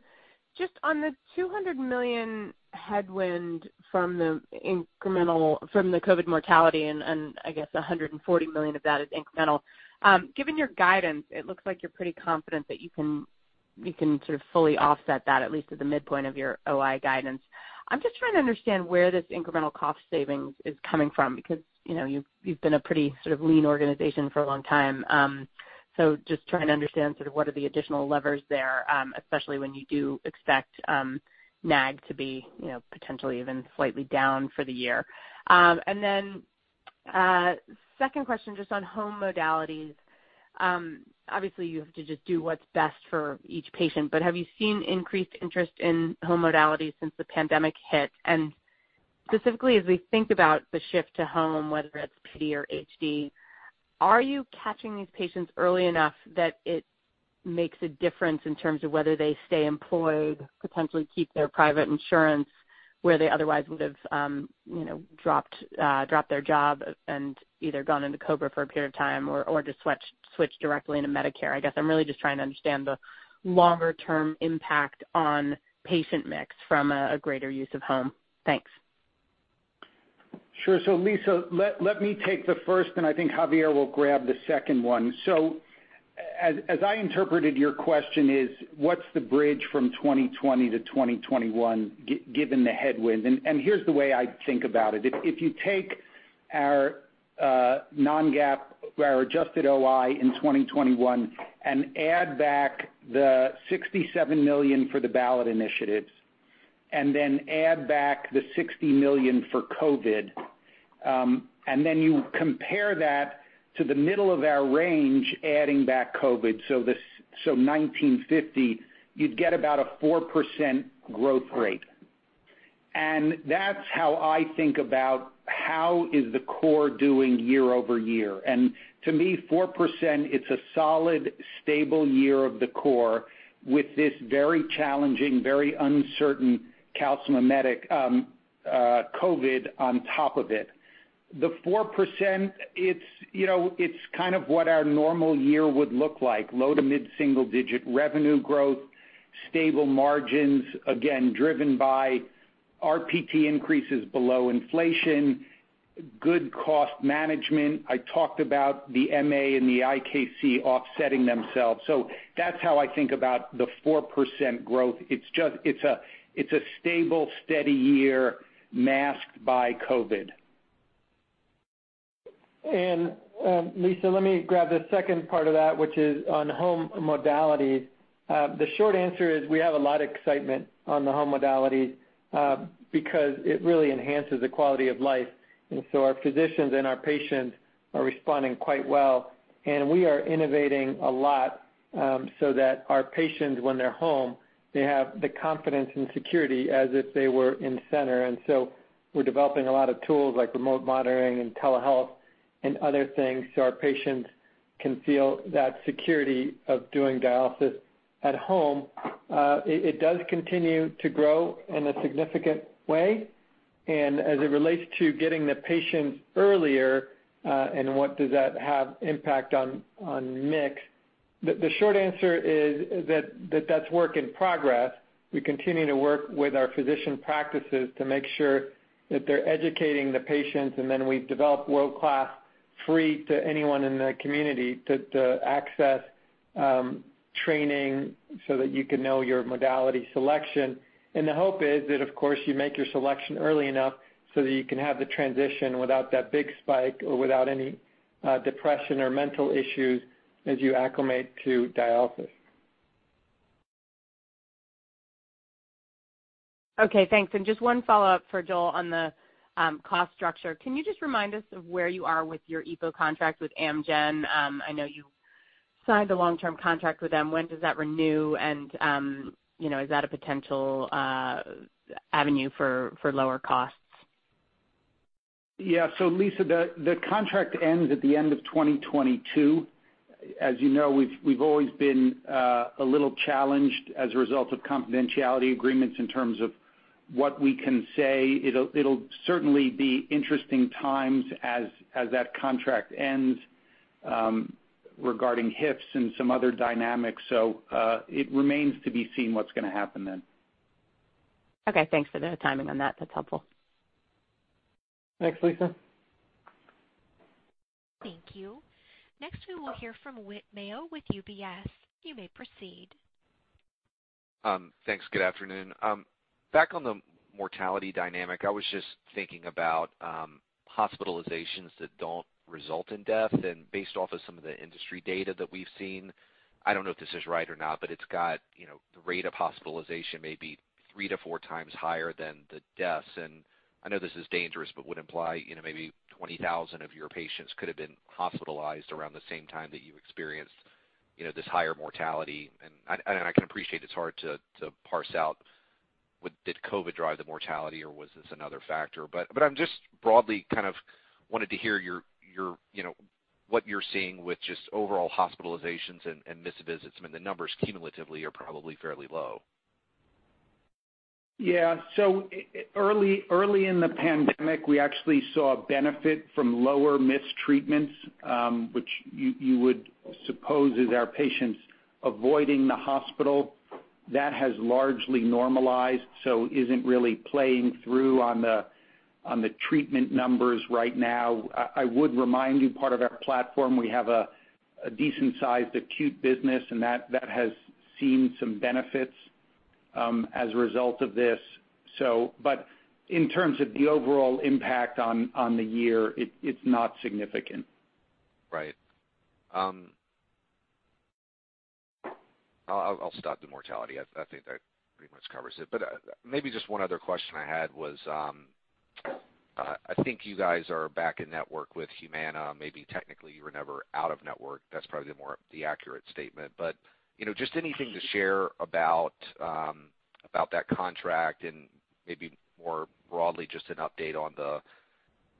just on the $200 million headwind from the COVID mortality, and I guess $140 million of that is incremental. Given your guidance, it looks like you're pretty confident that you can sort of fully offset that, at least at the midpoint of your OI guidance. I'm just trying to understand where this incremental cost savings is coming from, because you've been a pretty lean organization for a long time. Just trying to understand sort of what are the additional levers there, especially when you do expect NAG to be potentially even slightly down for the year. Second question, just on home modalities. Obviously, you have to just do what's best for each patient, but have you seen increased interest in home modalities since the pandemic hit? Specifically, as we think about the shift to home, whether it's PD or HD, are you catching these patients early enough that it makes a difference in terms of whether they stay employed, potentially keep their private insurance where they otherwise would have dropped their job and either gone into COBRA for a period of time or just switched directly into Medicare? I guess I'm really just trying to understand the longer-term impact on patient mix from a greater use of home. Thanks. Sure. Lisa, let me take the first, and I think Javier will grab the second one. As I interpreted your question is, what's the bridge from 2020 to 2021 given the headwind? Here's the way I think about it. If you take our non-GAAP, our adjusted OI in 2021 and add back the $67 million for the ballot initiatives, and then add back the $60 million for COVID, and then you compare that to the middle of our range, adding back COVID, $1,950, you'd get about a 4% growth rate. That's how I think about how is the core doing year over year. To me, 4%, it's a solid, stable year of the core with this very challenging, very uncertain calcimimetic COVID on top of it. The 4%, it's kind of what our normal year would look like, low to mid-single digit revenue growth, stable margins, again, driven by RPT increases below inflation, good cost management. I talked about the MA and the IKC offsetting themselves. That's how I think about the 4% growth. It's a stable, steady year masked by COVID. Lisa, let me grab the second part of that, which is on home modality. The short answer is we have a lot of excitement on the home modality, because it really enhances the quality of life. Our physicians and our patients are responding quite well, and we are innovating a lot so that our patients, when they're home, they have the confidence and security as if they were in center. We're developing a lot of tools like remote monitoring and telehealth and other things so our patients can feel that security of doing dialysis at home. It does continue to grow in a significant way. As it relates to getting the patients earlier, and what does that have impact on mix, the short answer is that that's work in progress. We continue to work with our physician practices to make sure that they're educating the patients, and then we've developed world-class, free to anyone in the community to access training so that you can know your modality selection. The hope is that, of course, you make your selection early enough so that you can have the transition without that big spike or without any depression or mental issues as you acclimate to dialysis. Okay, thanks. Just one follow-up for Joel on the cost structure. Can you just remind us of where you are with your EPO contracts with Amgen? I know you signed a long-term contract with them. When does that renew? Is that a potential avenue for lower costs? Yeah. Lisa, the contract ends at the end of 2022. As you know, we've always been a little challenged as a result of confidentiality agreements in terms of what we can say. It'll certainly be interesting times as that contract ends regarding biosimilars and some other dynamics. It remains to be seen what's going to happen then. Okay. Thanks for the timing on that. That's helpful. Thanks, Lisa. Thank you. Next, we will hear from Whit Mayo with UBS. You may proceed. Thanks. Good afternoon. Back on the mortality dynamic, I was just thinking about hospitalizations that don't result in death, and based off of some of the industry data that we've seen, I don't know if this is right or not, but it's got the rate of hospitalization may be 3x-4x higher than the deaths. I know this is dangerous but would imply maybe 20,000 of your patients could have been hospitalized around the same time that you experienced this higher mortality. I can appreciate it's hard to parse out, did COVID drive the mortality or was this another factor? I'm just broadly kind of wanted to hear what you're seeing with just overall hospitalizations and missed visits. I mean, the numbers cumulatively are probably fairly low. Early in the pandemic, we actually saw a benefit from lower missed treatments, which you would suppose is our patients avoiding the hospital. That has largely normalized, so isn't really playing through on the treatment numbers right now. I would remind you, part of our platform, we have a decent-sized acute business, and that has seen some benefits, as a result of this. In terms of the overall impact on the year, it's not significant. Right. I'll stop the mortality. I think that pretty much covers it. Maybe just one other question I had was, I think you guys are back in network with Humana. Maybe technically you were never out of network. That's probably the more accurate statement. Just anything to share about that contract and maybe more broadly, just an update on the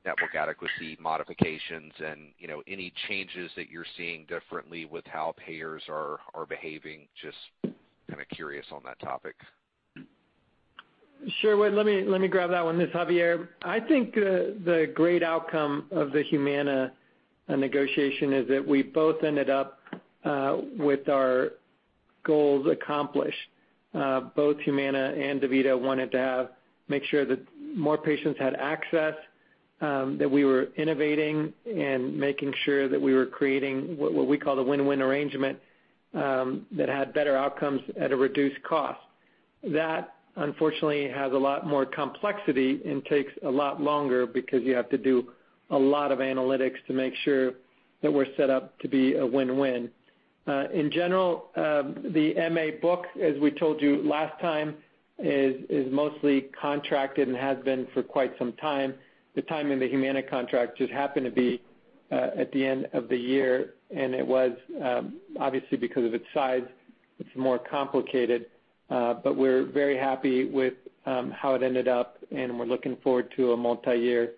network adequacy modifications and any changes that you're seeing differently with how payers are behaving. Just kind of curious on that topic. Sure. Whit, let me grab that one. This is Javier. I think the great outcome of the Humana negotiation is that we both ended up with our goals accomplished. Both Humana and DaVita wanted to make sure that more patients had access, that we were innovating and making sure that we were creating what we call a win-win arrangement, that had better outcomes at a reduced cost. That, unfortunately, has a lot more complexity and takes a lot longer because you have to do a lot of analytics to make sure that we're set up to be a win-win. In general, the MA book, as we told you last time, is mostly contracted and has been for quite some time. The timing of the Humana contract just happened to be at the end of the year. It was, obviously because of its size, it's more complicated. We're very happy with how it ended up, and we're looking forward to a multi-year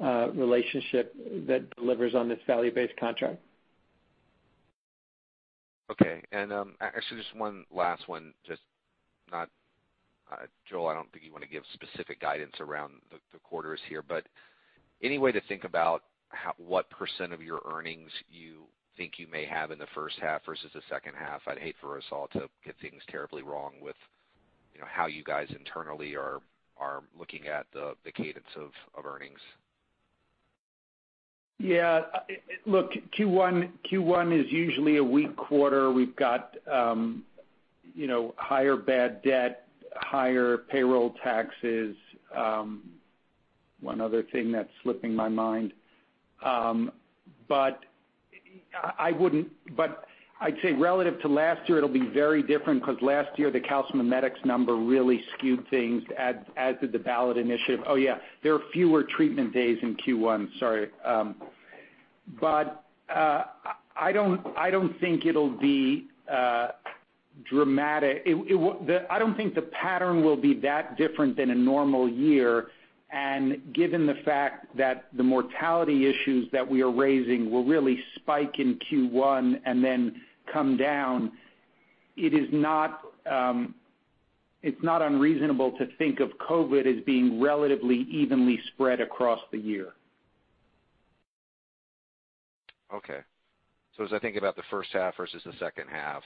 relationship that delivers on this value-based contract. Okay. Actually just one last one. Joel, I don't think you want to give specific guidance around the quarters here, but any way to think about what % of your earnings you think you may have in the first half versus the second half? I'd hate for us all to get things terribly wrong with how you guys internally are looking at the cadence of earnings. Look, Q1 is usually a weak quarter. We've got higher bad debt, higher payroll taxes. One other thing that's slipping my mind. I'd say relative to last year, it'll be very different because last year, the calcimimetics number really skewed things, as did the ballot initiative. Oh, yeah, there are fewer treatment days in Q1, sorry. I don't think it'll be dramatic. I don't think the pattern will be that different than a normal year, and given the fact that the mortality issues that we are raising will really spike in Q1 and then come down, it's not unreasonable to think of COVID as being relatively evenly spread across the year. Okay. As I think about the first half versus the second half,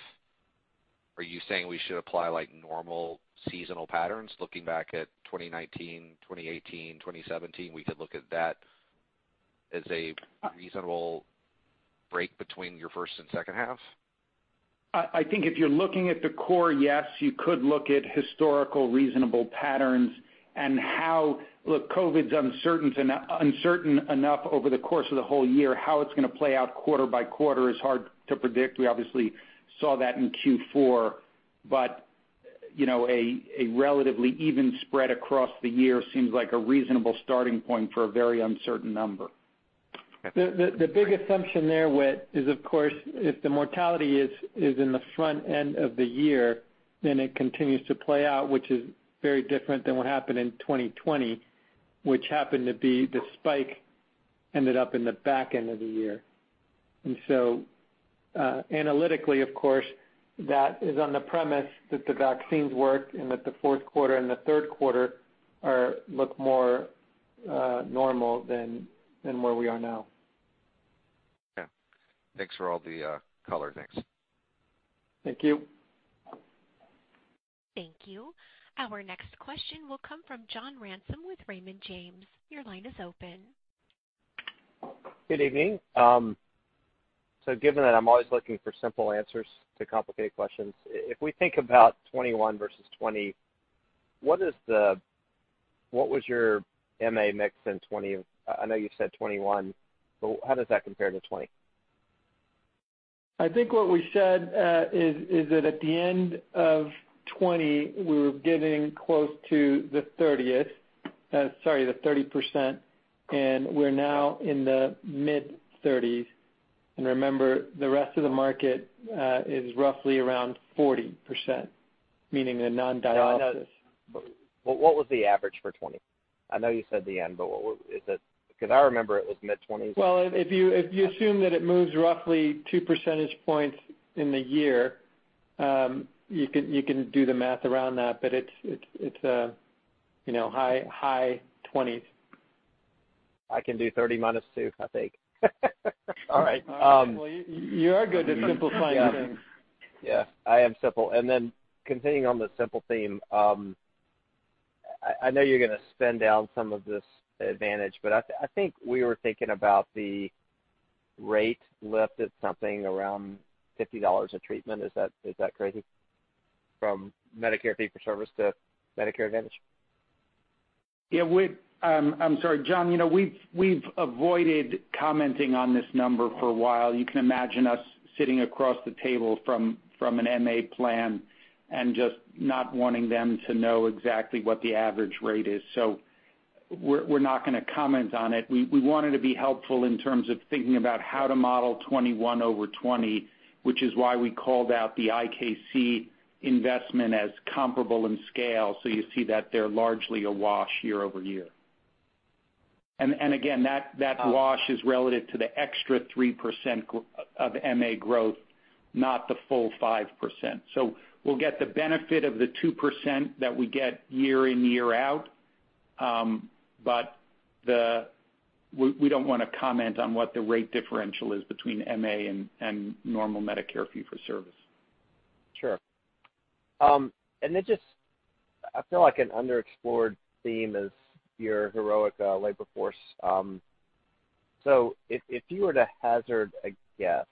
are you saying we should apply like normal seasonal patterns? Looking back at 2019, 2018, 2017, we could look at that as a reasonable break between your first and second half? I think if you're looking at the core, yes, you could look at historical reasonable patterns and COVID's uncertain enough over the course of the whole year. How it's going to play out quarter by quarter is hard to predict. We obviously saw that in Q4. A relatively even spread across the year seems like a reasonable starting point for a very uncertain number. The big assumption there, Whit, is of course, if the mortality is in the front end of the year, then it continues to play out, which is very different than what happened in 2020, which happened to be the spike ended up in the back end of the year. Analytically, of course, that is on the premise that the vaccines work and that the fourth quarter and the third quarter look more normal than where we are now. Yeah. Thanks for all the color. Thanks. Thank you. Thank you. Our next question will come from John Ransom with Raymond James. Your line is open. Good evening. Given that I'm always looking for simple answers to complicated questions, if we think about 2021 versus 2020, what was your MA mix in 2020? I know you said 2021, how does that compare to 2020? I think what we said is that at the end of 2020, we were getting close to the 30%, and we're now in the mid-30s. Remember, the rest of the market is roughly around 40%, meaning the non-dialysis- No, I know. What was the average for 2020? I know you said the end, what was it? I remember it was mid-20s. Well, if you assume that it moves roughly two percentage points in the year, you can do the math around that, but it's high 20s. I can do 30 minus two, I think. All right. Well, you are good at simplifying things. Yeah. I am simple. Continuing on the simple theme, I know you're going to spend down some of this advantage, but I think we were thinking about the rate lift at something around $50 a treatment. Is that crazy? From Medicare fee for service to Medicare Advantage. Yeah, Whit, I'm sorry, John, we've avoided commenting on this number for a while. You can imagine us sitting across the table from an MA plan and just not wanting them to know exactly what the average rate is. We're not going to comment on it. We wanted to be helpful in terms of thinking about how to model 2021 over 2020, which is why we called out the IKC investment as comparable in scale. You see that they're largely a wash year-over-year. Again, that wash is relative to the extra 3% of MA growth, not the full 5%. We'll get the benefit of the 2% that we get year in, year out, we don't want to comment on what the rate differential is between MA and normal Medicare fee-for-service. Sure. Just, I feel like an underexplored theme is your heroic labor force. If you were to hazard a guess,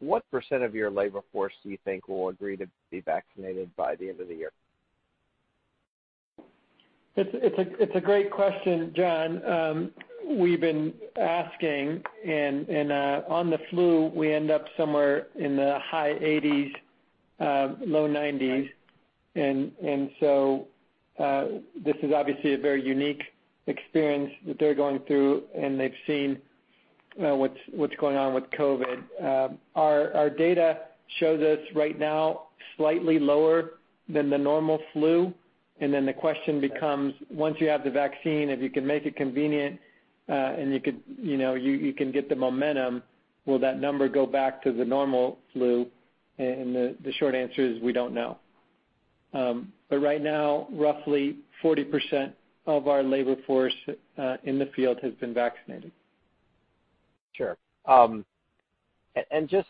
what percent of your labor force do you think will agree to be vaccinated by the end of the year? It's a great question, John. We've been asking and on the flu, we end up somewhere in the high 80s, low 90s. Right. This is obviously a very unique experience that they're going through, and they've seen what's going on with COVID. Our data shows us right now slightly lower than the normal flu, the question becomes, once you have the vaccine, if you can make it convenient, and you can get the momentum, will that number go back to the normal flu? The short answer is we don't know. Right now, roughly 40% of our labor force in the field has been vaccinated. Sure. Just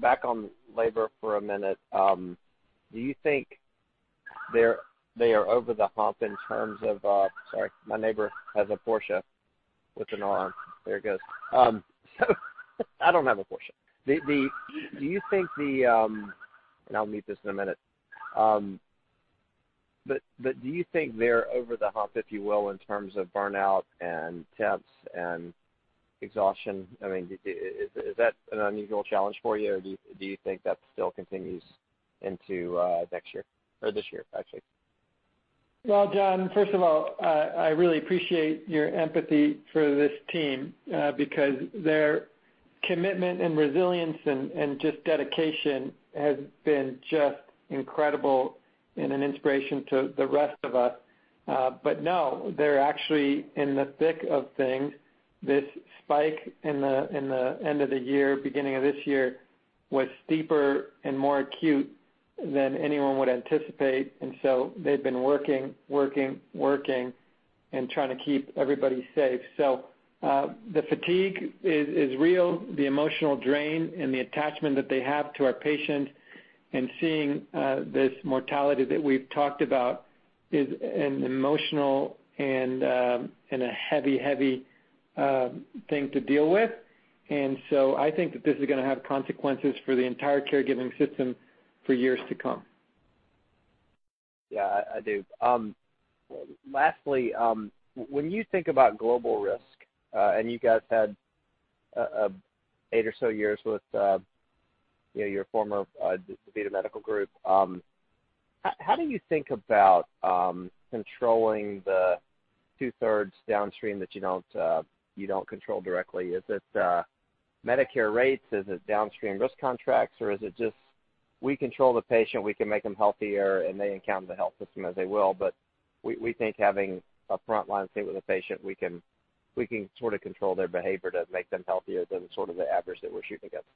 back on labor for a minute, do you think they are over the hump in terms of sorry, my neighbor has a Porsche with an alarm. There it goes. I don't have a Porsche. I'll mute this in a minute. Do you think they're over the hump, if you will, in terms of burnout and temps and exhaustion? I mean, is that an unusual challenge for you, or do you think that still continues into next year or this year, actually? Well, John, first of all, I really appreciate your empathy for this team, because their commitment and resilience and just dedication has been just incredible and an inspiration to the rest of us. No, they're actually in the thick of things. This spike in the end of the year, beginning of this year, was steeper and more acute than anyone would anticipate, they've been working and trying to keep everybody safe. The fatigue is real. The emotional drain and the attachment that they have to our patients and seeing this mortality that we've talked about is an emotional and a heavy thing to deal with. I think that this is going to have consequences for the entire caregiving system for years to come. Yeah, I do. Lastly, when you think about global risk, and you guys had eight or so years with your former, DaVita Medical Group. How do you think about controlling the 2/3 downstream that you don't control directly? Is it Medicare rates? Is it downstream risk contracts, or is it just, we control the patient, we can make them healthier and they encounter the health system as they will, but we think having a frontline seat with a patient, we can sort of control their behavior to make them healthier than sort of the average that we're shooting against?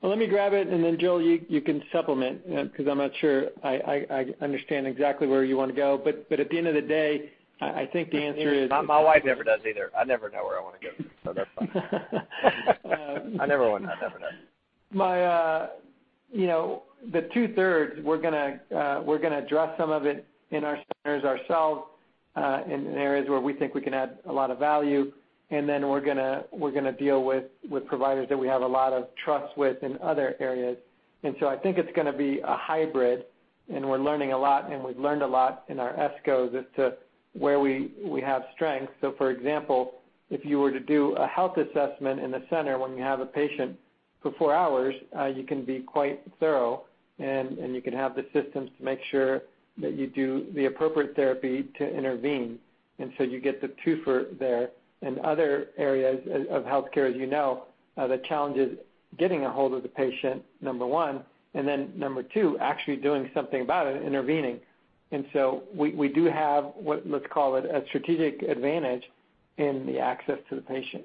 Well, let me grab it, and then Joel, you can supplement, because I'm not sure I understand exactly where you want to go. At the end of the day, I think the answer is My wife never does either. I never know where I want to go. That's fine. I never would. I never know. The 2/3, we're going to address some of it in our centers ourselves, in areas where we think we can add a lot of value. We're going to deal with providers that we have a lot of trust with in other areas. I think it's going to be a hybrid, and we're learning a lot, and we've learned a lot in our ESCOs as to where we have strength. For example, if you were to do a health assessment in the center when we have a patient for four hours, you can be quite thorough and you can have the systems to make sure that you do the appropriate therapy to intervene. You get the twofer there. In other areas of healthcare, as you know, the challenge is getting a hold of the patient, number one, and then number two, actually doing something about it, intervening. We do have what, let's call it, a strategic advantage in the access to the patient.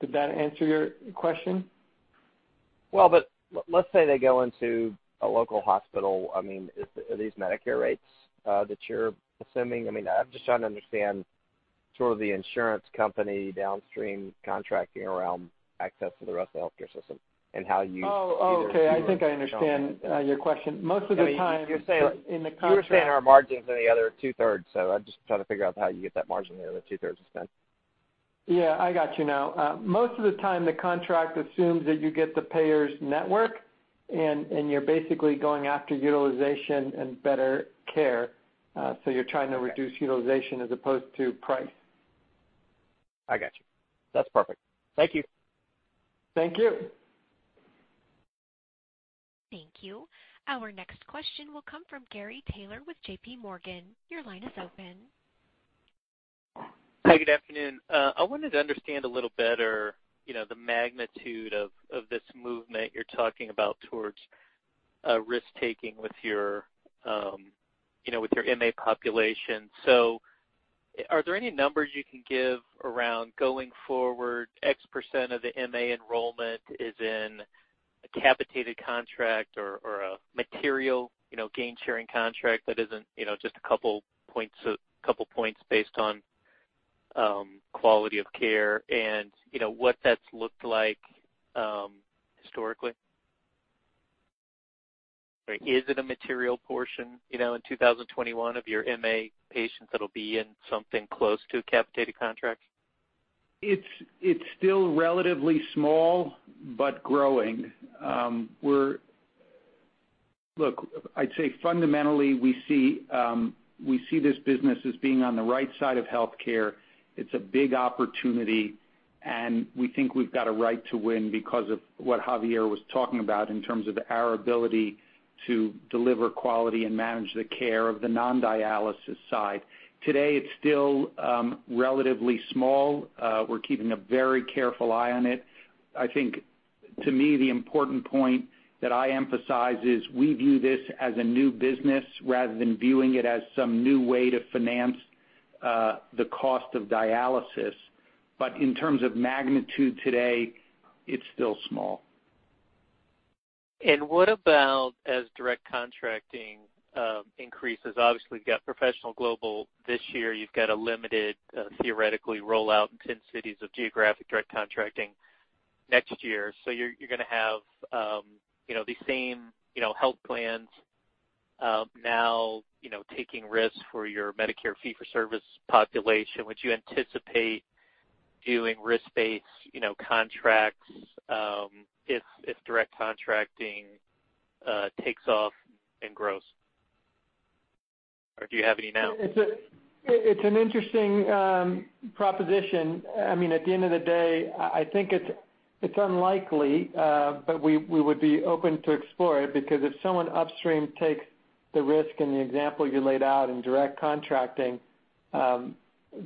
Did that answer your question? Well, let's say they go into a local hospital. Are these Medicare rates that you're assuming? I'm just trying to understand sort of the insurance company downstream contracting around access to the rest of the healthcare system and how you- Oh, okay. I think I understand your question. You were saying our margins are the other 2/3, so I'm just trying to figure out how you get that margin there, the two-thirds spend. Yeah, I got you now. Most of the time, the contract assumes that you get the payer's network, and you're basically going after utilization and better care. You're trying to reduce utilization as opposed to price. I got you. That's perfect. Thank you. Thank you. Thank you. Our next question will come from Gary Taylor with JPMorgan. Your line is open. Hi, good afternoon. I wanted to understand a little better the magnitude of this movement you're talking about towards risk-taking with your MA population. Are there any numbers you can give around, going forward, X percent of the MA enrollment is in a capitated contract or a material gain-sharing contract that isn't just a couple points based on quality of care and what that's looked like historically? Is it a material portion, in 2021, of your MA patients that'll be in something close to a capitated contract? It's still relatively small, but growing. Look, I'd say fundamentally, we see this business as being on the right side of healthcare. It's a big opportunity, and we think we've got a right to win because of what Javier was talking about in terms of our ability to deliver quality and manage the care of the non-dialysis side. Today, it's still relatively small. We're keeping a very careful eye on it. I think, to me, the important point that I emphasize is we view this as a new business rather than viewing it as some new way to finance the cost of dialysis. In terms of magnitude today, it's still small. What about as Direct Contracting increases? Obviously, you've got professional global this year. You've got a limited, theoretically, rollout in 10 cities of geographic Direct Contracting next year. You're going to have these same health plans now taking risks for your Medicare fee-for-service population. Would you anticipate doing risk-based contracts if Direct Contracting takes off and grows? Do you have any now? It's an interesting proposition. At the end of the day, I think it's unlikely, but we would be open to explore it, because if someone upstream takes the risk and the example you laid out in Direct Contracting,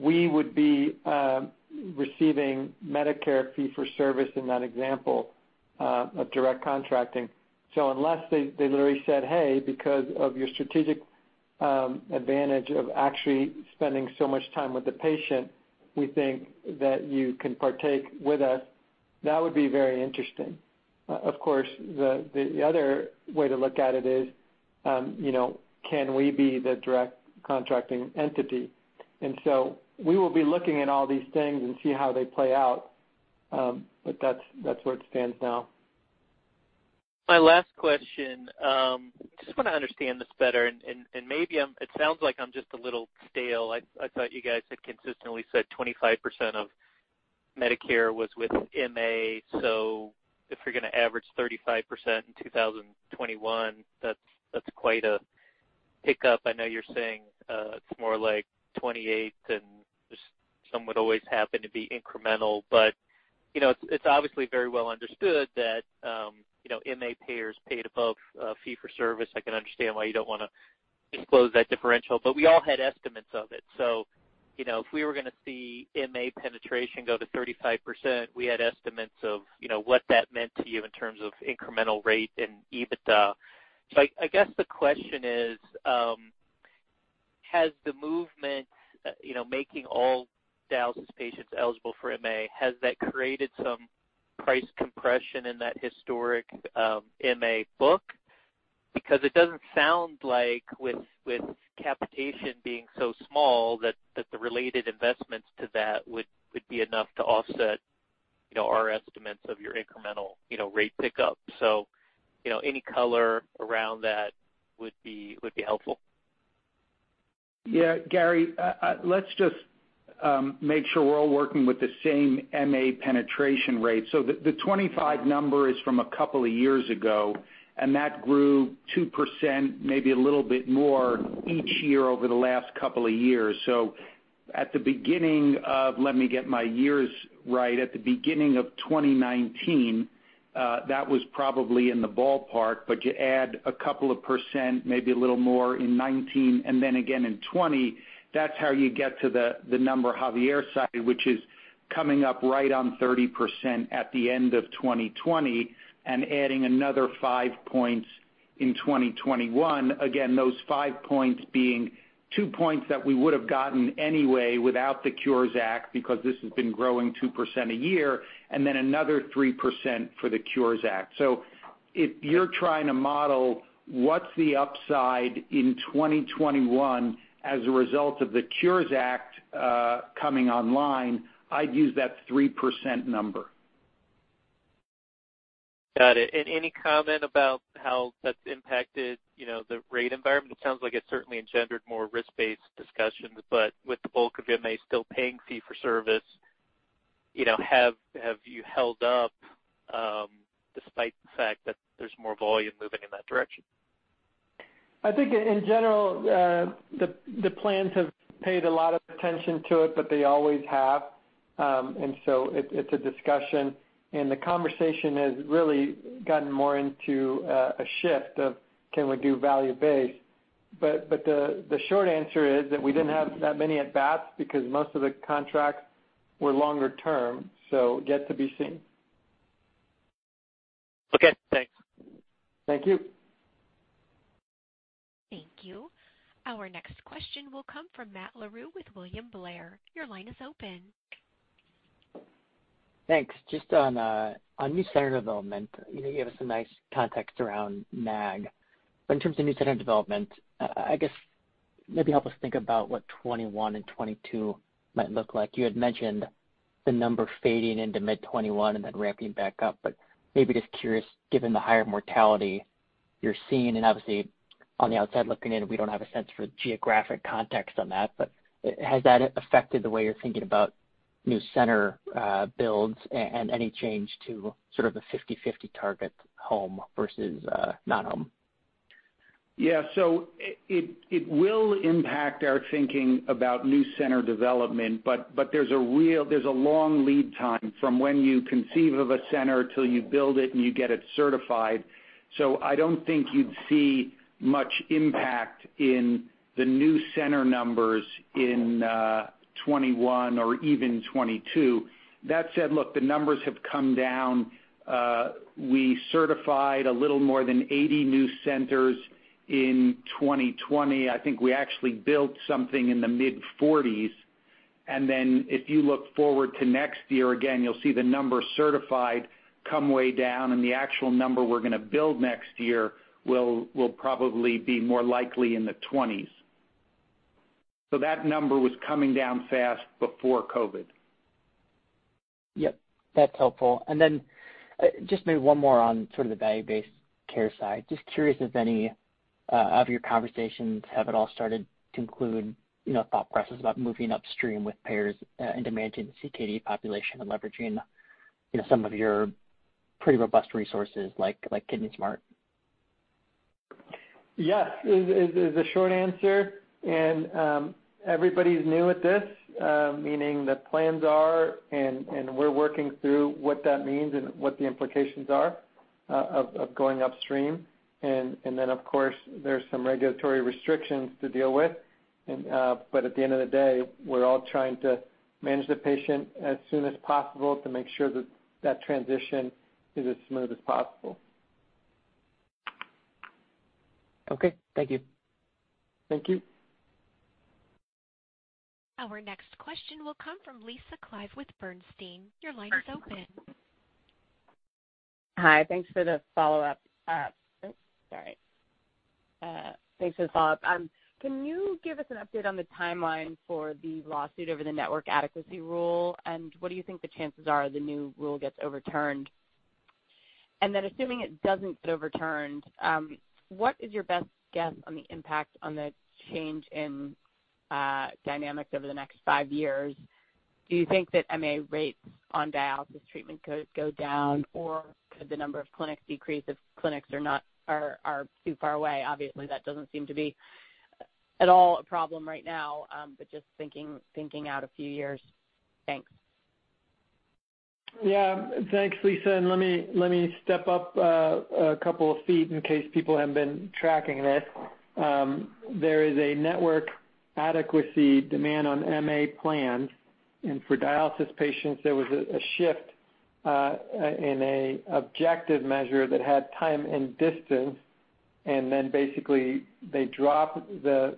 we would be receiving Medicare fee-for-service in that example of Direct Contracting. Unless they literally said, "Hey, because of your strategic advantage of actually spending so much time with the patient, we think that you can partake with us," that would be very interesting. Of course, the other way to look at it is, can we be the Direct Contracting entity? We will be looking at all these things and see how they play out. That's where it stands now. My last question. Just want to understand this better, and maybe it sounds like I'm just a little stale. I thought you guys had consistently said 25% of Medicare was with MA, so if you're going to average 35% in 2021, that's quite a pickup. I know you're saying it's more like 28 and some would always happen to be incremental, but it's obviously very well understood that MA payers paid above fee for service. I can understand why you don't want to disclose that differential, but we all had estimates of it. If we were going to see MA penetration go to 35%, we had estimates of what that meant to you in terms of incremental rate and EBITDA. I guess the question is, has the movement making all dialysis patients eligible for MA, has that created some price compression in that historic MA book? It doesn't sound like with capitation being so small, that the related investments to that would be enough to offset our estimates of your incremental rate pickup. Any color around that would be helpful. Gary, let's just make sure we're all working with the same MA penetration rate. The 25 number is from a couple of years ago, and that grew 2%, maybe a little bit more each year over the last couple of years. At the beginning of, let me get my years right, at the beginning of 2019, that was probably in the ballpark, but you add a couple of percent, maybe a little more in 2019, and then again in 2020, that's how you get to the number Javier cited, which is coming up right on 30% at the end of 2020 and adding another five points in 2021. Those five points being two points that we would have gotten anyway without the Cures Act because this has been growing 2% a year, and then another 3% for the Cures Act. If you're trying to model what's the upside in 2021 as a result of the Cures Act coming online, I'd use that 3% number. Got it. Any comment about how that's impacted the rate environment? It sounds like it certainly engendered more risk-based discussions, but with the bulk of MA still paying fee for service, have you held up despite the fact that there's more volume moving in that direction? I think in general, the plans have paid a lot of attention to it, but they always have. It's a discussion, and the conversation has really gotten more into a shift of can we do value-based. The short answer is that we didn't have that many at-bats because most of the contracts were longer term, so yet to be seen. Okay, thanks. Thank you. Thank you. Our next question will come from Matt Larew with William Blair. Your line is open. Thanks. Just on new center development, you gave us some nice context around NAG, in terms of new center development, I guess maybe help us think about what 2021 and 2022 might look like? You had mentioned the number fading into mid 2021 and then ramping back up, maybe just curious, given the higher mortality you're seeing, obviously on the outside looking in, we don't have a sense for geographic context on that, has that affected the way you're thinking about new center builds and any change to sort of the 50/50 target home versus non-home? It will impact our thinking about new center development, but there's a long lead time from when you conceive of a center till you build it and you get it certified. I don't think you'd see much impact in the new center numbers in 2021 or even 2022. That said, look, the numbers have come down. We certified a little more than 80 new centers in 2020. I think we actually built something in the mid-40s. If you look forward to next year, again, you'll see the number certified come way down, and the actual number we're going to build next year will probably be more likely in the 20s. That number was coming down fast before COVID. Yep, that's helpful. Then just maybe one more on sort of the value-based care side. Just curious if any of your conversations have at all started to include thought process about moving upstream with payers in the managed CKD population and leveraging some of your pretty robust resources like Kidney Smart? Yes is the short answer. Everybody's new at this, meaning the plans are, and we're working through what that means and what the implications are of going upstream. Of course, there's some regulatory restrictions to deal with. At the end of the day, we're all trying to manage the patient as soon as possible to make sure that that transition is as smooth as possible. Okay, thank you. Thank you. Our next question will come from Lisa Clive with Bernstein. Your line is open. Hi, thanks for the follow-up. Can you give us an update on the timeline for the lawsuit over the network adequacy rule, and what do you think the chances are the new rule gets overturned? Assuming it doesn't get overturned, what is your best guess on the impact on the change in dynamics over the next five years? Do you think that MA rates on dialysis treatment could go down? Could the number of clinics decrease if clinics are too far away? Obviously, that doesn't seem to be at all a problem right now, but just thinking out a few years. Thanks. Thanks, Lisa. Let me step up a couple of feet in case people haven't been tracking this. There is a network adequacy demand on MA plans, and for dialysis patients, there was a shift in an objective measure that had time and distance. Then basically they dropped the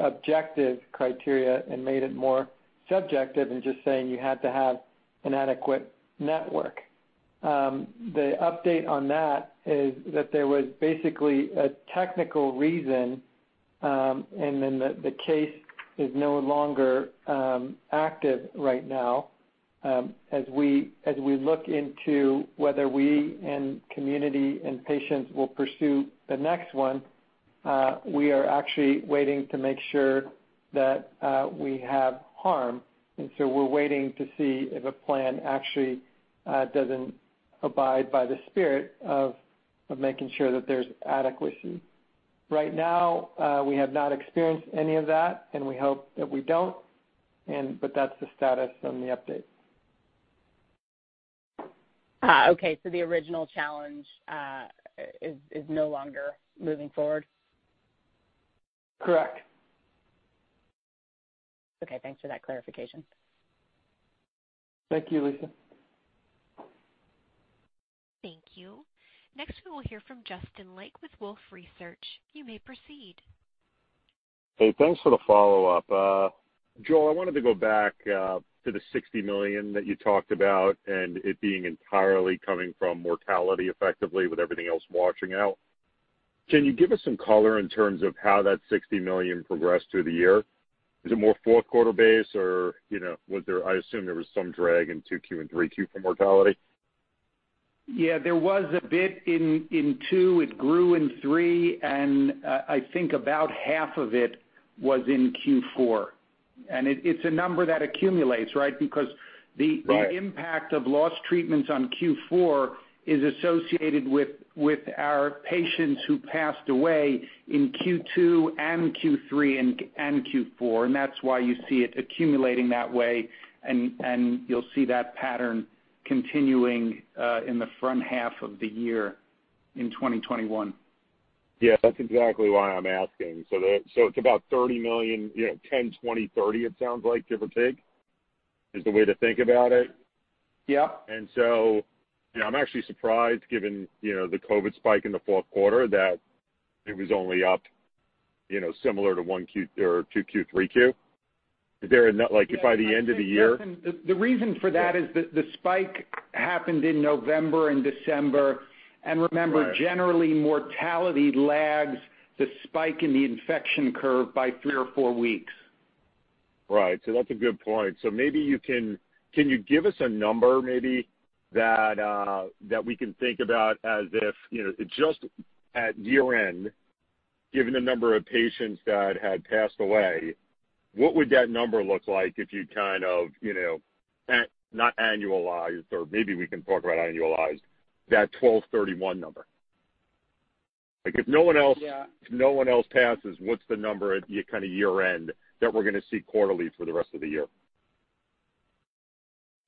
objective criteria and made it more subjective, just saying you had to have an adequate network. The update on that is that there was basically a technical reason. Then the case is no longer active right now. As we look into whether we and community and patients will pursue the next one, we are actually waiting to make sure that we have harm. We're waiting to see if a plan actually doesn't abide by the spirit of making sure that there's adequacy. Right now, we have not experienced any of that, and we hope that we don't. That's the status on the update. Okay. The original challenge is no longer moving forward? Correct. Okay. Thanks for that clarification. Thank you, Lisa. Thank you. Next we will hear from Justin Lake with Wolfe Research. You may proceed. Hey, thanks for the follow-up. Joel, I wanted to go back to the $60 million that you talked about and it being entirely coming from mortality effectively with everything else washing out. Can you give us some color in terms of how that $60 million progressed through the year? Is it more fourth quarter based, or I assume there was some drag in Q2 and Q3 from mortality? Yeah, there was a bit in two, it grew in three. I think about half of it was in Q4. It's a number that accumulates, right? Right The impact of lost treatments on Q4 is associated with our patients who passed away in Q2 and Q3 and Q4, and that's why you see it accumulating that way, and you'll see that pattern continuing in the front half of the year in 2021. Yeah, that's exactly why I'm asking. It's about $30 million, $10, $20, $30, it sounds like, give or take, is the way to think about it. Yep. I'm actually surprised given the COVID spike in the fourth quarter that it was only up similar to one Q or two Q, three Q. Is there like by the end of the year? The reason for that is the spike happened in November and December. Right. Generally, mortality lags the spike in the infection curve by three or four weeks. Right. That's a good point. Can you give us a number maybe that we can think about as if, just at year-end, given the number of patients that had passed away, what would that number look like if you kind of, not annualized, or maybe we can talk about annualized, that 1231 number? Like if no one else. Yeah Passes, what's the number at your kind of year-end that we're going to see quarterly for the rest of the year?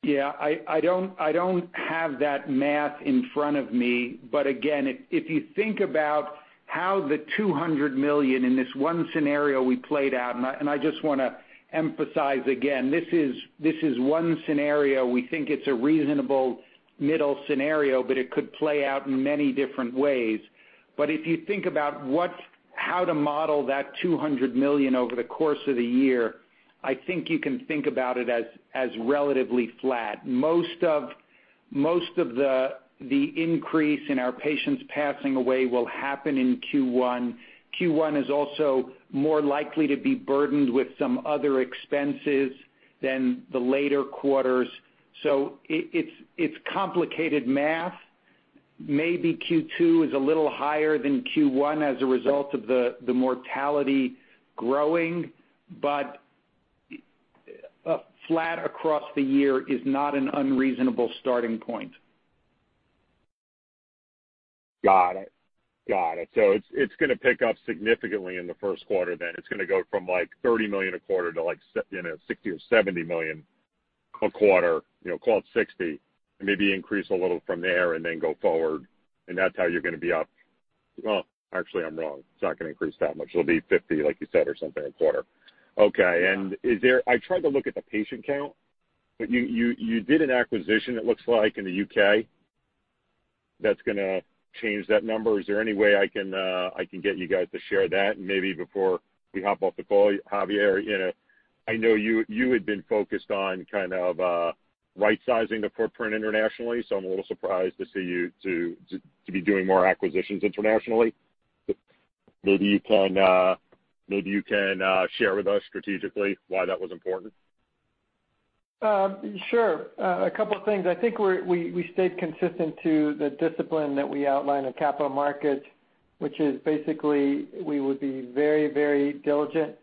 Yeah. I don't have that math in front of me, but again, if you think about how the $200 million in this one scenario we played out, and I just want to emphasize again, this is one scenario. We think it's a reasonable middle scenario, but it could play out in many different ways. If you think about how to model that $200 million over the course of the year, I think you can think about it as relatively flat. Most of the increase in our patients passing away will happen in Q1. Q1 is also more likely to be burdened with some other expenses than the later quarters. It's complicated math. Maybe Q2 is a little higher than Q1 as a result of the mortality growing, but flat across the year is not an unreasonable starting point. Got it. It's going to pick up significantly in the first quarter, then. It's going to go from $30 million a quarter to $60 or $70 million a quarter, call it $60, maybe increase a little from there and then go forward. That's how you're going to be up. Well, actually, I'm wrong. It's not going to increase that much. It'll be $50, like you said, or something a quarter. Okay. I tried to look at the patient count, but you did an acquisition, it looks like in the U.K., that's going to change that number. Is there any way I can get you guys to share that? Maybe before we hop off the call, Javier, I know you had been focused on right-sizing the footprint internationally, so I'm a little surprised to see you to be doing more acquisitions internationally. Maybe you can share with us strategically why that was important? Sure. A couple of things. I think we stayed consistent to the discipline that we outlined at Capital Markets, which is basically we would be very diligent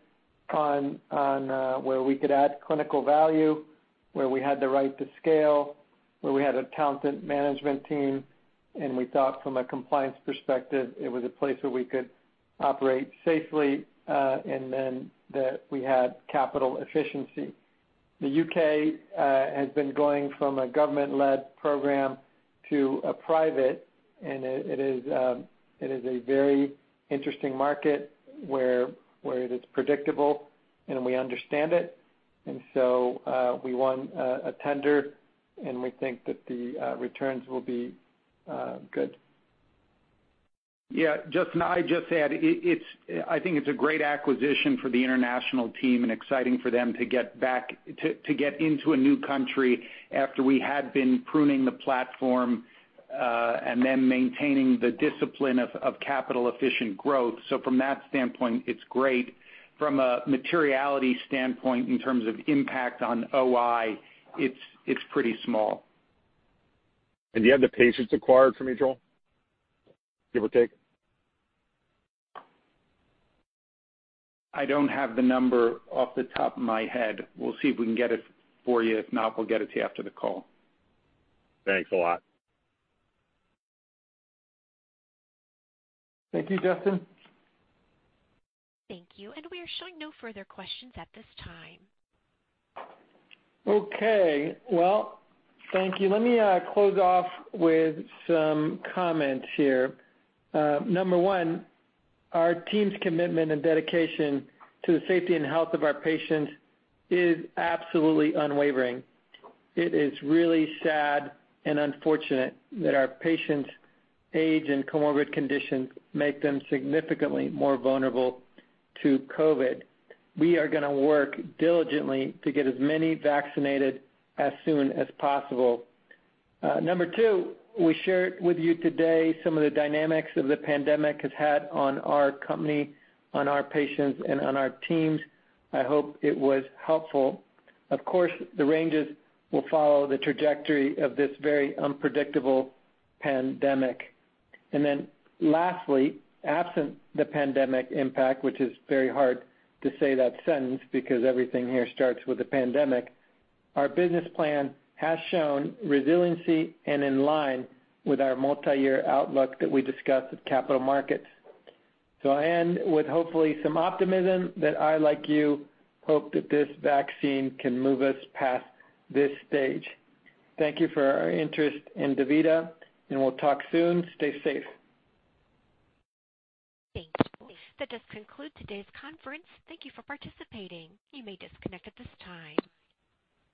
on where we could add clinical value, where we had the right to scale, where we had a talented management team, and we thought from a compliance perspective, it was a place where we could operate safely, and then that we had capital efficiency. The U.K. has been going from a government-led program to a private, and it is a very interesting market where it is predictable, and we understand it. We won a tender, and we think that the returns will be good. Justin, I just add, I think it's a great acquisition for the international team and exciting for them to get into a new country after we had been pruning the platform, maintaining the discipline of capital-efficient growth. From that standpoint, it's great. From a materiality standpoint, in terms of impact on OI, it's pretty small. Do you have the patients acquired for me, Joel? Give or take. I don't have the number off the top of my head. We'll see if we can get it for you. If not, we'll get it to you after the call. Thanks a lot. Thank you, Justin. Thank you. We are showing no further questions at this time. Okay. Well, thank you. Let me close off with some comments here. Number one, our team's commitment and dedication to the safety and health of our patients is absolutely unwavering. It is really sad and unfortunate that our patients' age and comorbid conditions make them significantly more vulnerable to COVID. We are going to work diligently to get as many vaccinated as soon as possible. Number two, we shared with you today some of the dynamics that the pandemic has had on our company, on our patients, and on our teams. I hope it was helpful. Of course, the ranges will follow the trajectory of this very unpredictable pandemic. Lastly, absent the pandemic impact, which is very hard to say that sentence because everything here starts with the pandemic, our business plan has shown resiliency and in line with our multi-year outlook that we discussed at Capital Markets. I end with hopefully some optimism that I, like you, hope that this vaccine can move us past this stage. Thank you for your interest in DaVita, and we'll talk soon. Stay safe. Thank you. That does conclude today's conference. Thank you for participating. You may disconnect at this time.